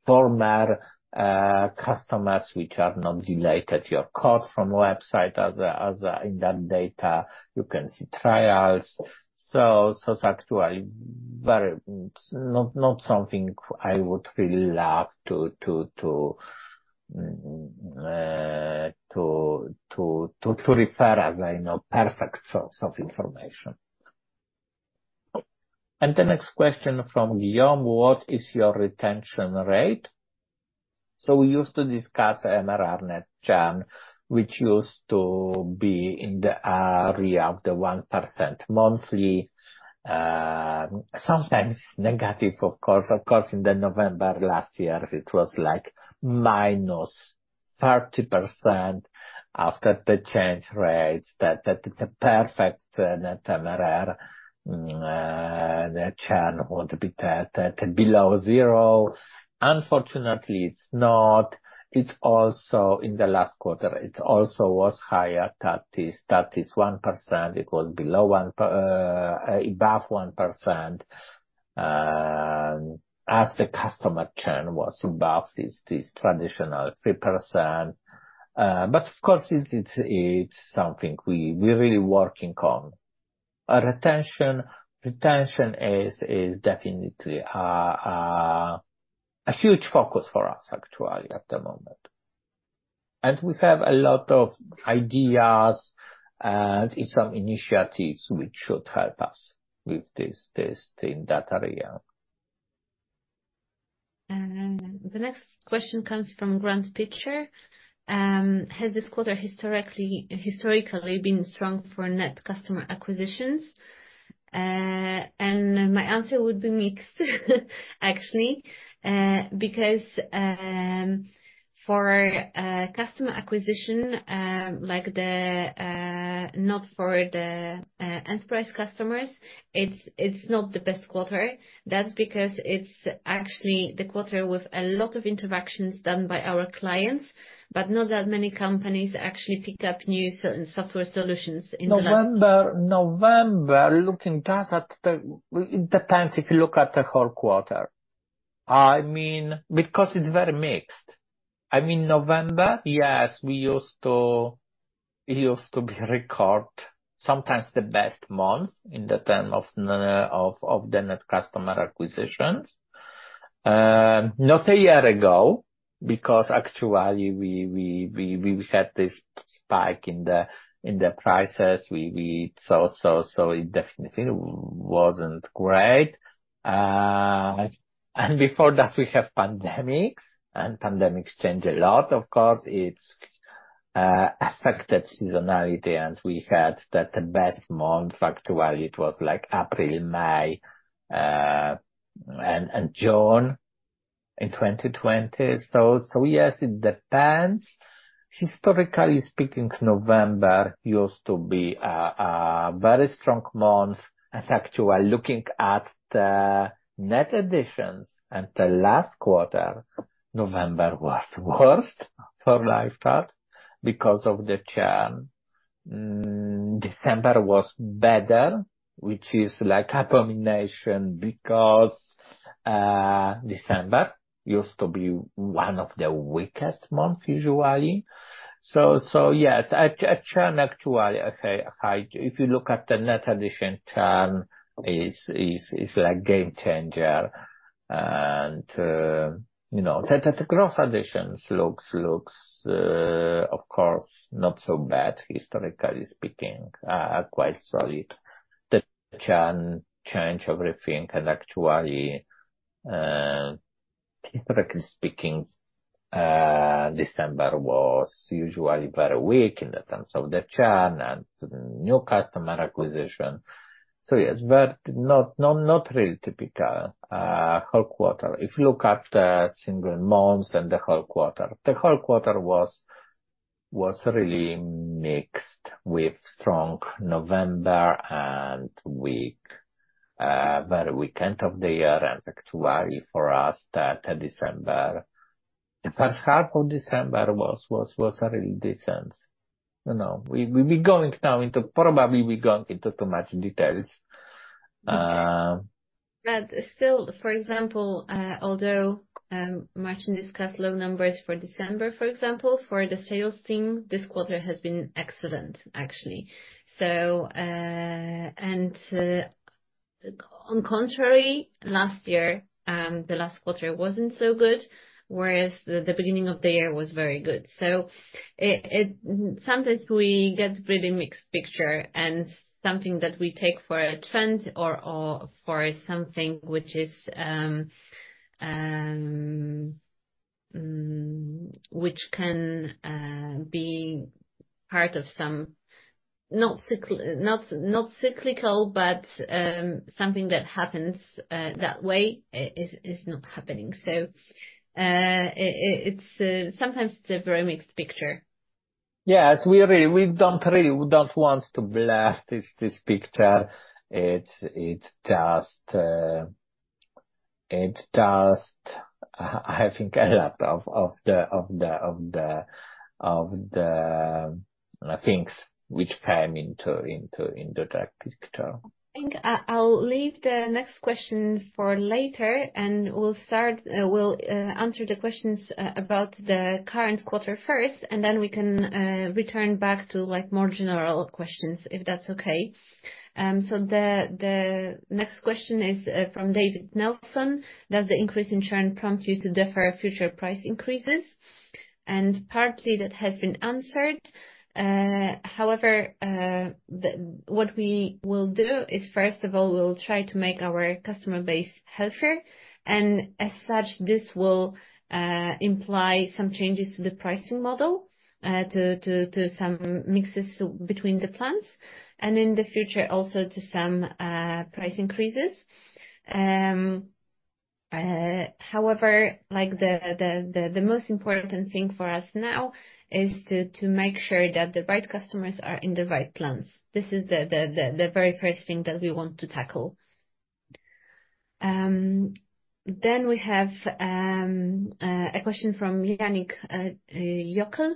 former customers which have not deleted your code from website, in that data, you can see trials. So, it's actually very... Not something I would really love to refer as I know, perfect source of information. And the next question from Guillaume: What is your retention rate? So we used to discuss MRR net churn, which used to be in the area of the 1% monthly, sometimes negative, of course. Of course, in November last year, it was like -30% after the change rates, that, the, the perfect net MRR churn would be below zero. Unfortunately, it's not. It's also in the last quarter, it also was higher, 31%. It was below one, above 1%, as the customer churn was above this traditional 3%. But of course, it's something we're really working on. Retention is definitely a huge focus for us actually, at the moment. And we have a lot of ideas and some initiatives which should help us with this in that area. The next question comes from Grant Pitzer. Has this quarter historically been strong for net customer acquisitions? And my answer would be mixed, actually. Because, for customer acquisition, like the, not for the enterprise customers, it's not the best quarter. That's because it's actually the quarter with a lot of interactions done by our clients, but not that many companies actually pick up new certain software solutions in the last- November, looking just at the... It depends, if you look at the whole quarter. I mean, because it's very mixed. I mean, November, yes, we used to, it used to be record, sometimes the best month in terms of the net customer acquisitions. Not a year ago, because actually we had this spike in the prices. We saw, so it definitely wasn't great. And before that, we have pandemics, and pandemics change a lot. Of course, it's affected seasonality, and we had that the best month, actually, it was like April, May, and June in 2020. So yes, it depends. Historically speaking, November used to be a very strong month. And actually, looking at the net additions at the last quarter, November was worst for LiveChat because of the churn. December was better, which is like abomination, because December used to be one of the weakest months, usually. So yes, a churn actually okay high. If you look at the net addition, churn is like game changer. And you know, the growth additions looks of course not so bad, historically speaking, quite solid. The churn change everything, and actually historically speaking, December was usually very weak in terms of the churn and new customer acquisition. So yes, but not really typical whole quarter. If you look at the single months and the whole quarter, the whole quarter was really mixed, with strong November and weak very weak end of the year. And actually, for us, the December, the first half of December was a really decent. You know, we're going now into—probably, we're going into too much details. But still, for example, although Marcin discussed low numbers for December, for example, for the sales team, this quarter has been excellent, actually. So, and on contrary, last year, the last quarter wasn't so good, whereas the beginning of the year was very good. So it sometimes we get really mixed picture, and something that we take for a trend or for something which is which can be part of some, not cyclical, but something that happens that way is not happening. So, it it's sometimes it's a very mixed picture. Yes, we really don't want to blast this picture. It's just, I think a lot of the things which came into the picture. I think I'll leave the next question for later, and we'll start, we'll answer the questions about the current quarter first, and then we can return back to, like, more general questions, if that's okay. So the next question is from David Nelson: Does the increase in churn prompt you to defer future price increases? Partly that has been answered. However, what we will do is, first of all, we'll try to make our customer base healthier, and as such, this will imply some changes to the pricing model, to some mixes between the plans, and in the future, also to some price increases. However, like, the most important thing for us now is to make sure that the right customers are in the right plans. This is the very first thing that we want to tackle. Then we have a question from Yannick Joecke.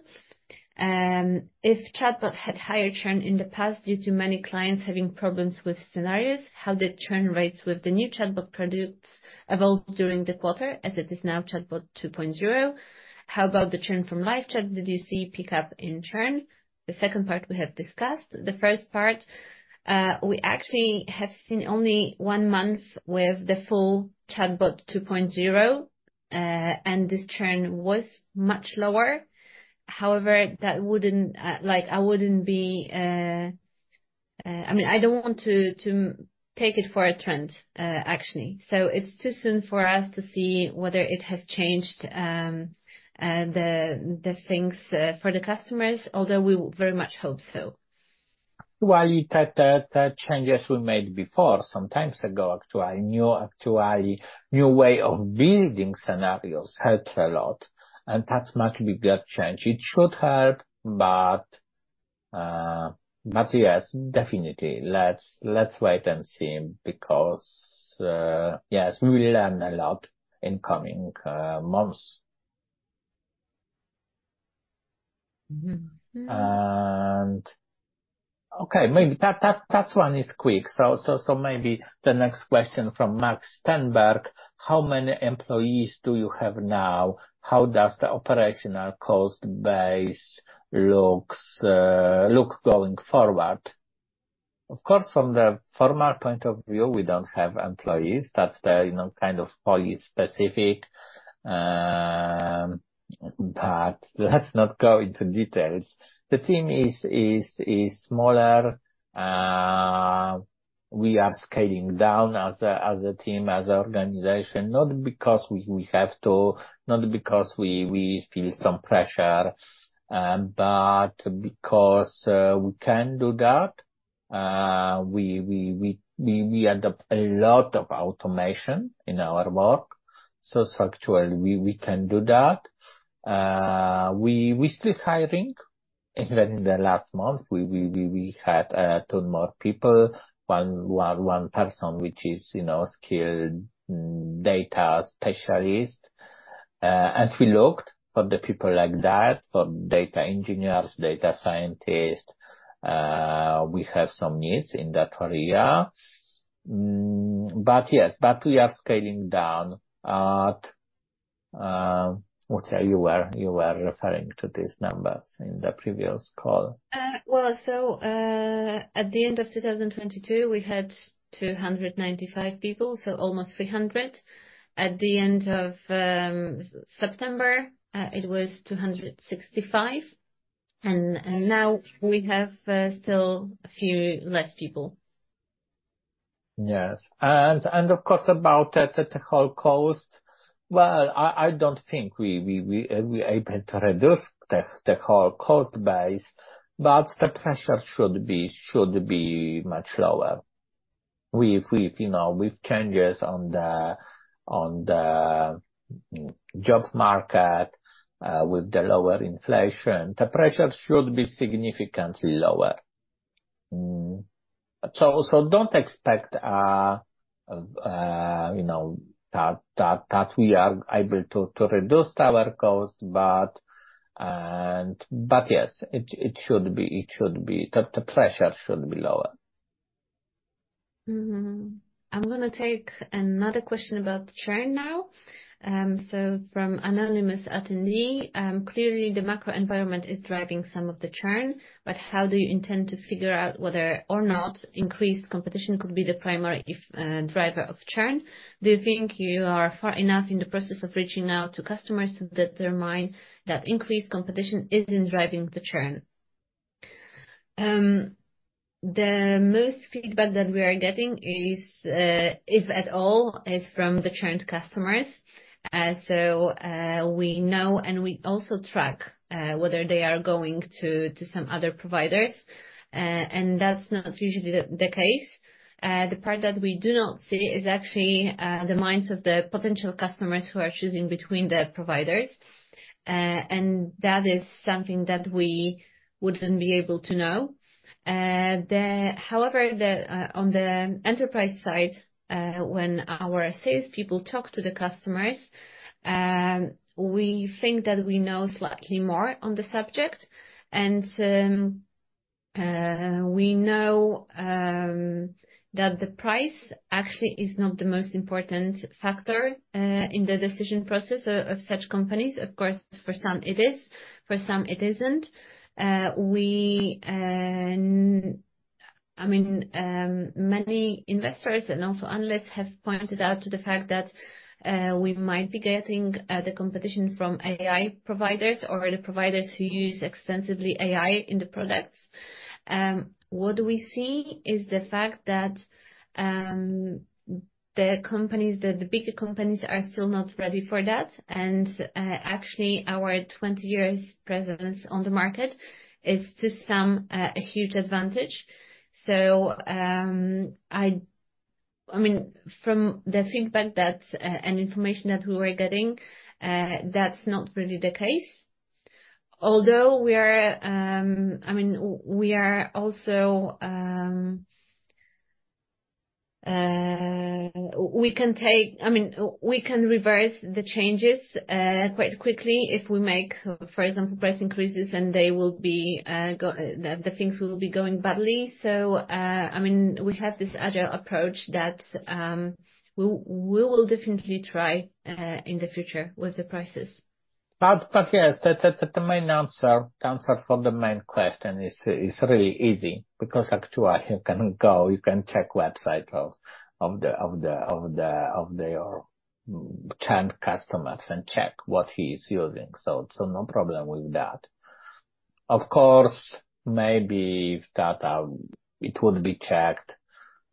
If ChatBot had higher churn in the past due to many clients having problems with scenarios, how did churn rates with the new ChatBot products evolve during the quarter, as it is now ChatBot 2.0? How about the churn from LiveChat? Did you see pickup in churn? The second part we have discussed. The first part, we actually have seen only one month with the full ChatBot 2.0, and this churn was much lower. However, that wouldn't, like, I wouldn't be, I mean, I don't want to take it for a trend, actually. So it's too soon for us to see whether it has changed the things for the customers, although we very much hope so. Well, the changes we made before, some time ago, actually, new way of building scenarios helped a lot, and that's much bigger change. It should help, but yes, definitely, let's wait and see, because yes, we will learn a lot in coming months. Mm-hmm. Okay, maybe that one is quick. So maybe the next question from Mark Stenberg: How many employees do you have now? How does the operational cost base look going forward? Of course, from the formal point of view, we don't have employees. That's, you know, kind of Polish specific, but let's not go into details. The team is smaller. We are scaling down as a team, as an organization, not because we have to, not because we feel some pressure, but because we can do that. We adopt a lot of automation in our work, so structurally, we can do that. We still hiring, even in the last month, we had two more people, one person, which is, you know, skilled data specialist. And we looked for the people like that, for data engineers, data scientists. We have some needs in that area. But yes, we are scaling down at what you were referring to, these numbers in the previous call. Well, so, at the end of 2022, we had 295 people, so almost 300. At the end of September, it was 265, and, and now we have still a few less people. Yes. And of course, about the whole cost, well, I don't think we're able to reduce the whole cost base, but the pressure should be much lower. With you know, with changes on the job market, with the lower inflation, the pressure should be significantly lower. So don't expect a, you know, that we are able to reduce our cost, but yes, it should be... The pressure should be lower. Mm-hmm. I'm gonna take another question about churn now. So from anonymous attendee: Clearly, the macro environment is driving some of the churn, but how do you intend to figure out whether or not increased competition could be the primary driver of churn? Do you think you are far enough in the process of reaching out to customers to determine that increased competition isn't driving the churn? The most feedback that we are getting is, if at all, from the churned customers. So, we know, and we also track, whether they are going to some other providers, and that's not usually the case. The part that we do not see is actually the minds of the potential customers who are choosing between the providers, and that is something that we wouldn't be able to know. However, on the enterprise side, when our salespeople talk to the customers, we think that we know slightly more on the subject, and we know that the price actually is not the most important factor in the decision process of such companies. Of course, for some it is, for some it isn't. I mean, many investors and also analysts have pointed out to the fact that we might be getting the competition from AI providers or the providers who use extensively AI in the products. What we see is the fact that the companies, the bigger companies are still not ready for that, and actually, our 20 years presence on the market is to some a huge advantage. So, I mean, from the feedback that and information that we were getting, that's not really the case. Although we are, I mean, we are also, we can reverse the changes quite quickly if we make, for example, price increases, and they will be going badly. So, I mean, we have this agile approach that we will definitely try in the future with the prices. But yes, the main answer for the main question is really easy. Because actually, you can go, you can check website of their current customers and check what he is using. So no problem with that. Of course, maybe if that it would be checked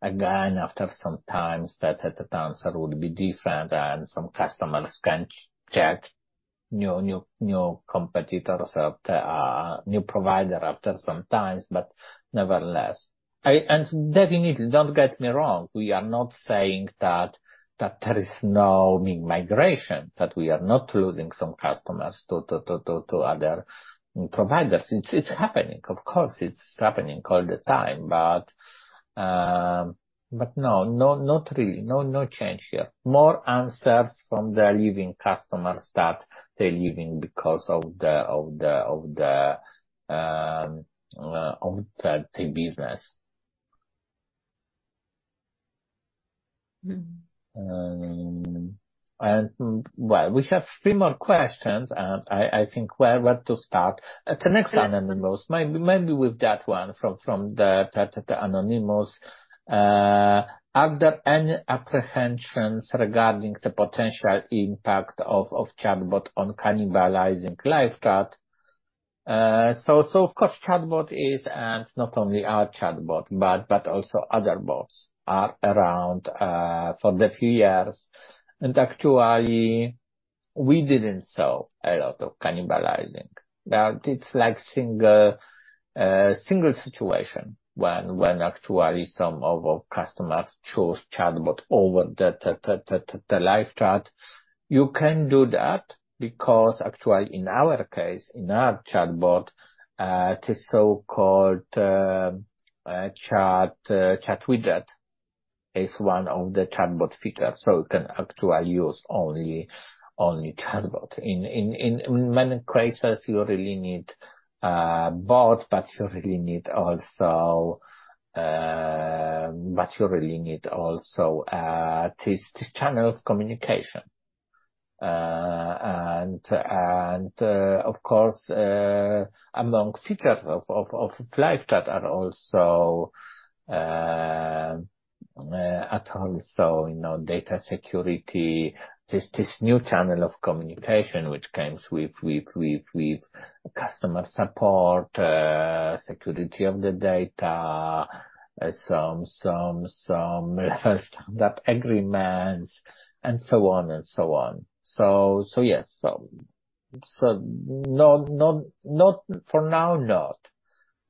again after some time, that the answer would be different, and some customers can check new competitors or the new provider after some time, but nevertheless. And definitely, don't get me wrong, we are not saying that there is no migration, that we are not losing some customers to other providers. It's happening, of course, it's happening all the time, but no, not really, no change here. More answers from the leaving customers that they're leaving because of the business. Well, we have three more questions, and I think where to start? The next one, anonymous. Maybe with that one from the anonymous. Are there any apprehensions regarding the potential impact of ChatBot on cannibalizing LiveChat? So of course, ChatBot is, and not only our ChatBot, but also other bots are around for the few years. And actually, we didn't saw a lot of cannibalizing. It's like single situation when actually some of our customers chose ChatBot over the LiveChat. You can do that because actually, in our case, in our ChatBot, the so-called chat widget is one of the ChatBot features, so you can actually use only ChatBot. In many cases, you really need bot, but you really need also this channel of communication. And of course, among features of LiveChat are also, you know, data security, this new channel of communication which comes with customer support, security of the data, some SLA agreements and so on and so on. So yes. So not for now,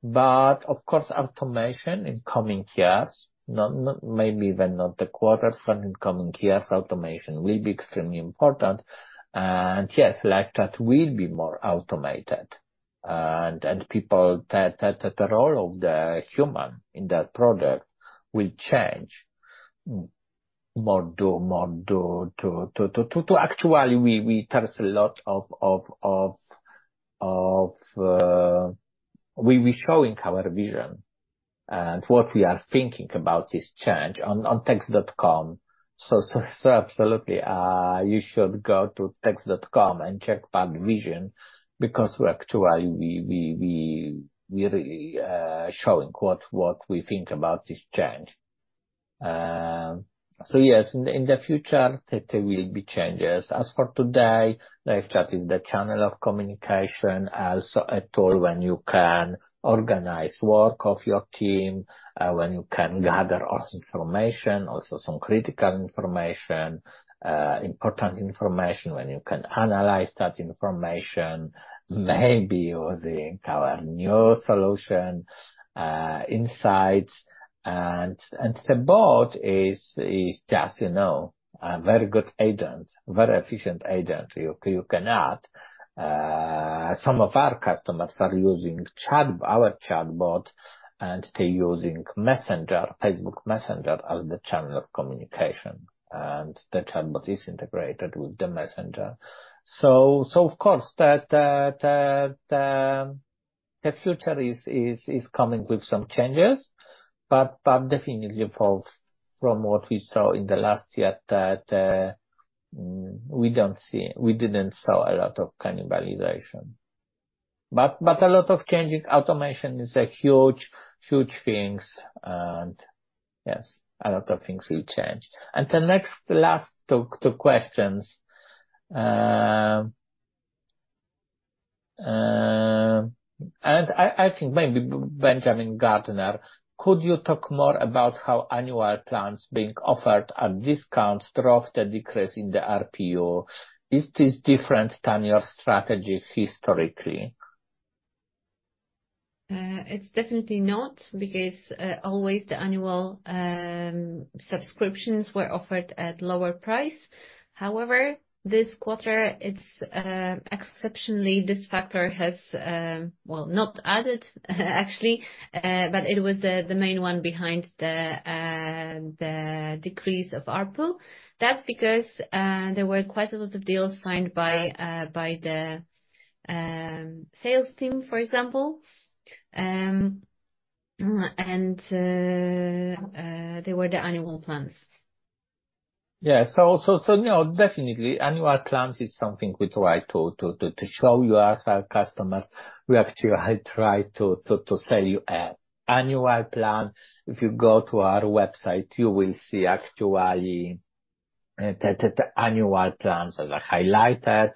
but of course, automation in coming years, maybe even not the quarters, but in coming years, automation will be extremely important. And yes, LiveChat will be more automated, and the role of the human in that product will change more to actually we showing our vision and what we are thinking about this change on text.com. So absolutely, you should go to text.com and check back vision, because we actually we really showing what we think about this change. So yes, in the future, there will be changes. As for today, LiveChat is the channel of communication, also a tool when you can organize work of your team, when you can gather all information, also some critical information, important information, when you can analyze that information, maybe using our new solution, Insights. And the bot is just, you know, a very good agent, very efficient agent you can add. Some of our customers are using our ChatBot, and they're using Messenger, Facebook Messenger, as the channel of communication, and the ChatBot is integrated with the Messenger. So of course, the future is coming with some changes, but definitely from what we saw in the last year that we don't see, we didn't saw a lot of cannibalization. But a lot of changing. Automation is a huge, huge things, and yes, a lot of things will change. And the next, last two, two questions, and I think maybe Benjamin Gardner: "Could you talk more about how annual plans being offered at discounts drove the decrease in the ARPU? Is this different than your strategy historically? It's definitely not, because always the annual subscriptions were offered at lower price. However, this quarter, it's exceptionally this factor has, well, not added, actually, but it was the main one behind the decrease of RPU. That's because there were quite a lot of deals signed by the sales team, for example, and they were the annual plans. Yeah. So, no, definitely, annual plans is something we try to show you as our customers. We actually try to sell you an annual plan. If you go to our website, you will see actually, the annual plans as I highlighted.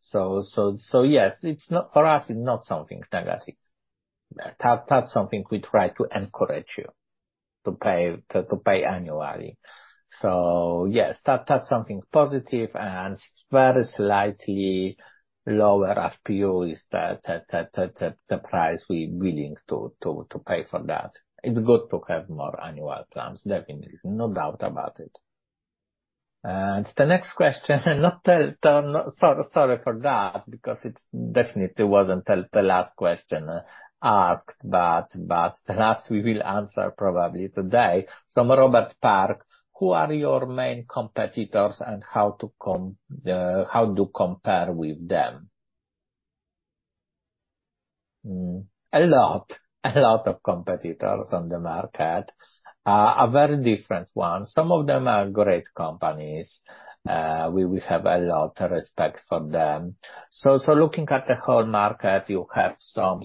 So yes, it's not, for us, it's not something negative. That's something we try to encourage you to pay annually. So yes, that's something positive and very slightly lower RPU is the price we're willing to pay for that. It's good to have more annual plans, definitely, no doubt about it. And the next question, not the... Sorry for that, because it definitely wasn't the last question asked, but the last we will answer probably today. From Robert Park: "Who are your main competitors, and how to compare with them?" A lot, a lot of competitors on the market. A very different one. Some of them are great companies. We have a lot of respect for them. So looking at the whole market, you have some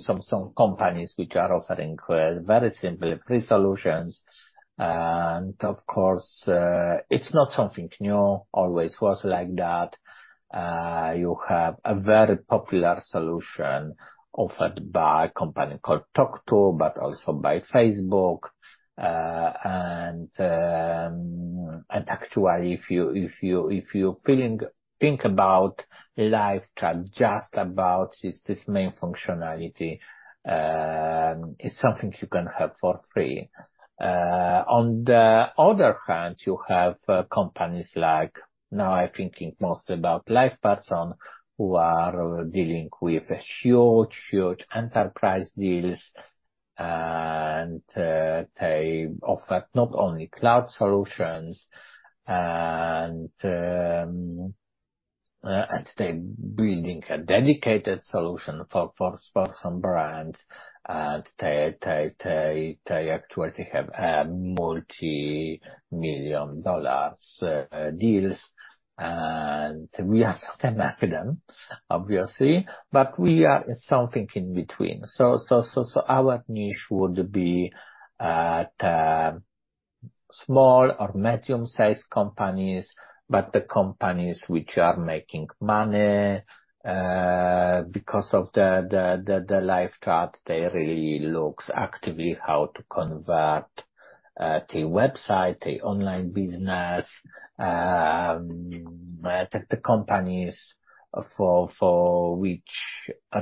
companies which are offering very simple free solutions, and of course, it's not something new, always was like that. You have a very popular solution offered by a company called tawk.to, but also by Facebook. And actually, if you think about LiveChat, just about, is this main functionality, it's something you can have for free. On the other hand, you have companies like, now I'm thinking mostly about LivePerson, who are dealing with huge, huge enterprise deals, and they offer not only cloud solutions and they're building a dedicated solution for some brands, and they actually have multi-million dollar deals. And we are not them, obviously, but we are something in between. So our niche would be the small or medium-sized companies, but the companies which are making money because of the LiveChat, they really looks actively how to convert the website, the online business, the companies for which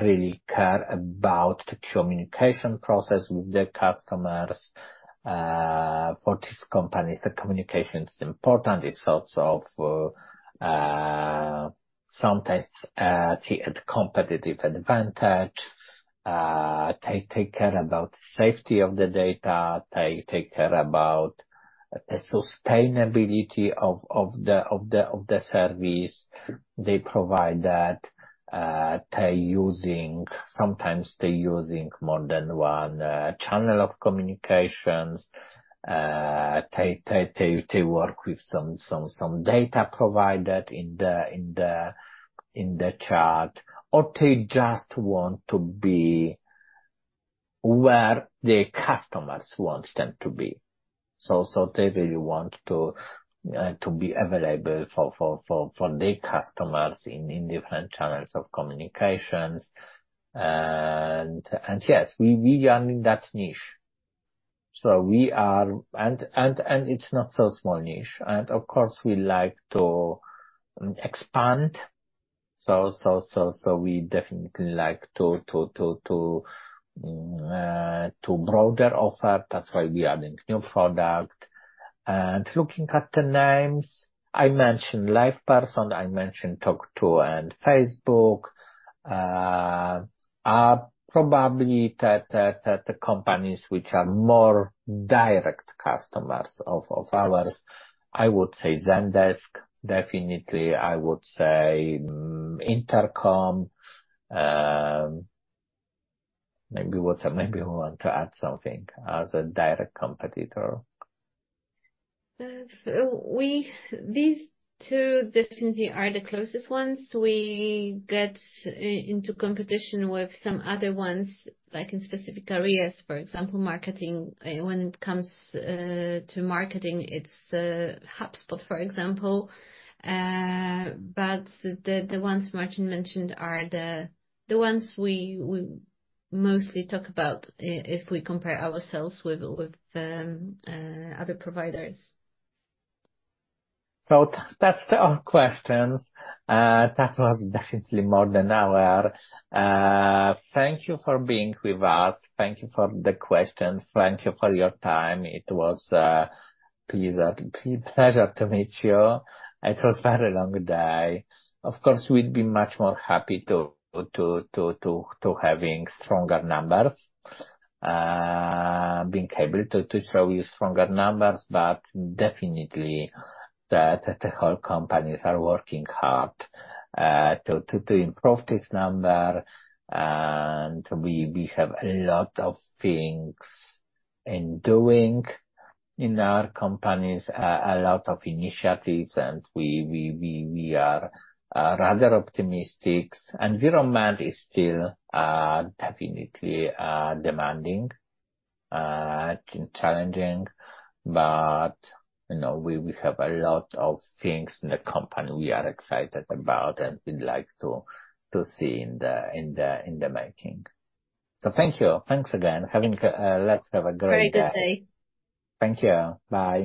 really care about the communication process with their customers. For these companies, the communication is important. It's also sometimes the competitive advantage. They take care about safety of the data, they take care about the sustainability of the service. They provide that, they're using sometimes more than one channel of communications. They work with some data provided in the chat, or they just want to be where the customers want them to be. So they really want to be available for their customers in different channels of communications. And yes, we are in that niche. So we are. And it's not so small niche. And of course, we like to expand, so we definitely like to broader offer. That's why we are adding new product. Looking at the names, I mentioned LivePerson, I mentioned tawk.to, and Facebook are probably the companies which are more direct competitors of ours. I would say Zendesk, definitely, I would say Intercom. Maybe WhatsApp, maybe you want to add something as a direct competitor. So these two definitely are the closest ones. We get into competition with some other ones, like in specific areas, for example, marketing. When it comes to marketing, it's HubSpot, for example. But the ones Marcin mentioned are the ones we mostly talk about if we compare ourselves with other providers. So that's all the questions. That was definitely more than an hour. Thank you for being with us. Thank you for the questions. Thank you for your time. It was a pleasure to meet you. It was a very long day. Of course, we'd be much more happy to having stronger numbers, being able to show you stronger numbers, but definitely, the whole companies are working hard to improve this number, and we have a lot of things in doing in our companies, a lot of initiatives, and we are rather optimistic. Environment is still definitely demanding and challenging, but, you know, we have a lot of things in the company we are excited about and we'd like to see in the making. Thank you. Thanks again. Let's have a great day. Very good day. Thank you. Bye.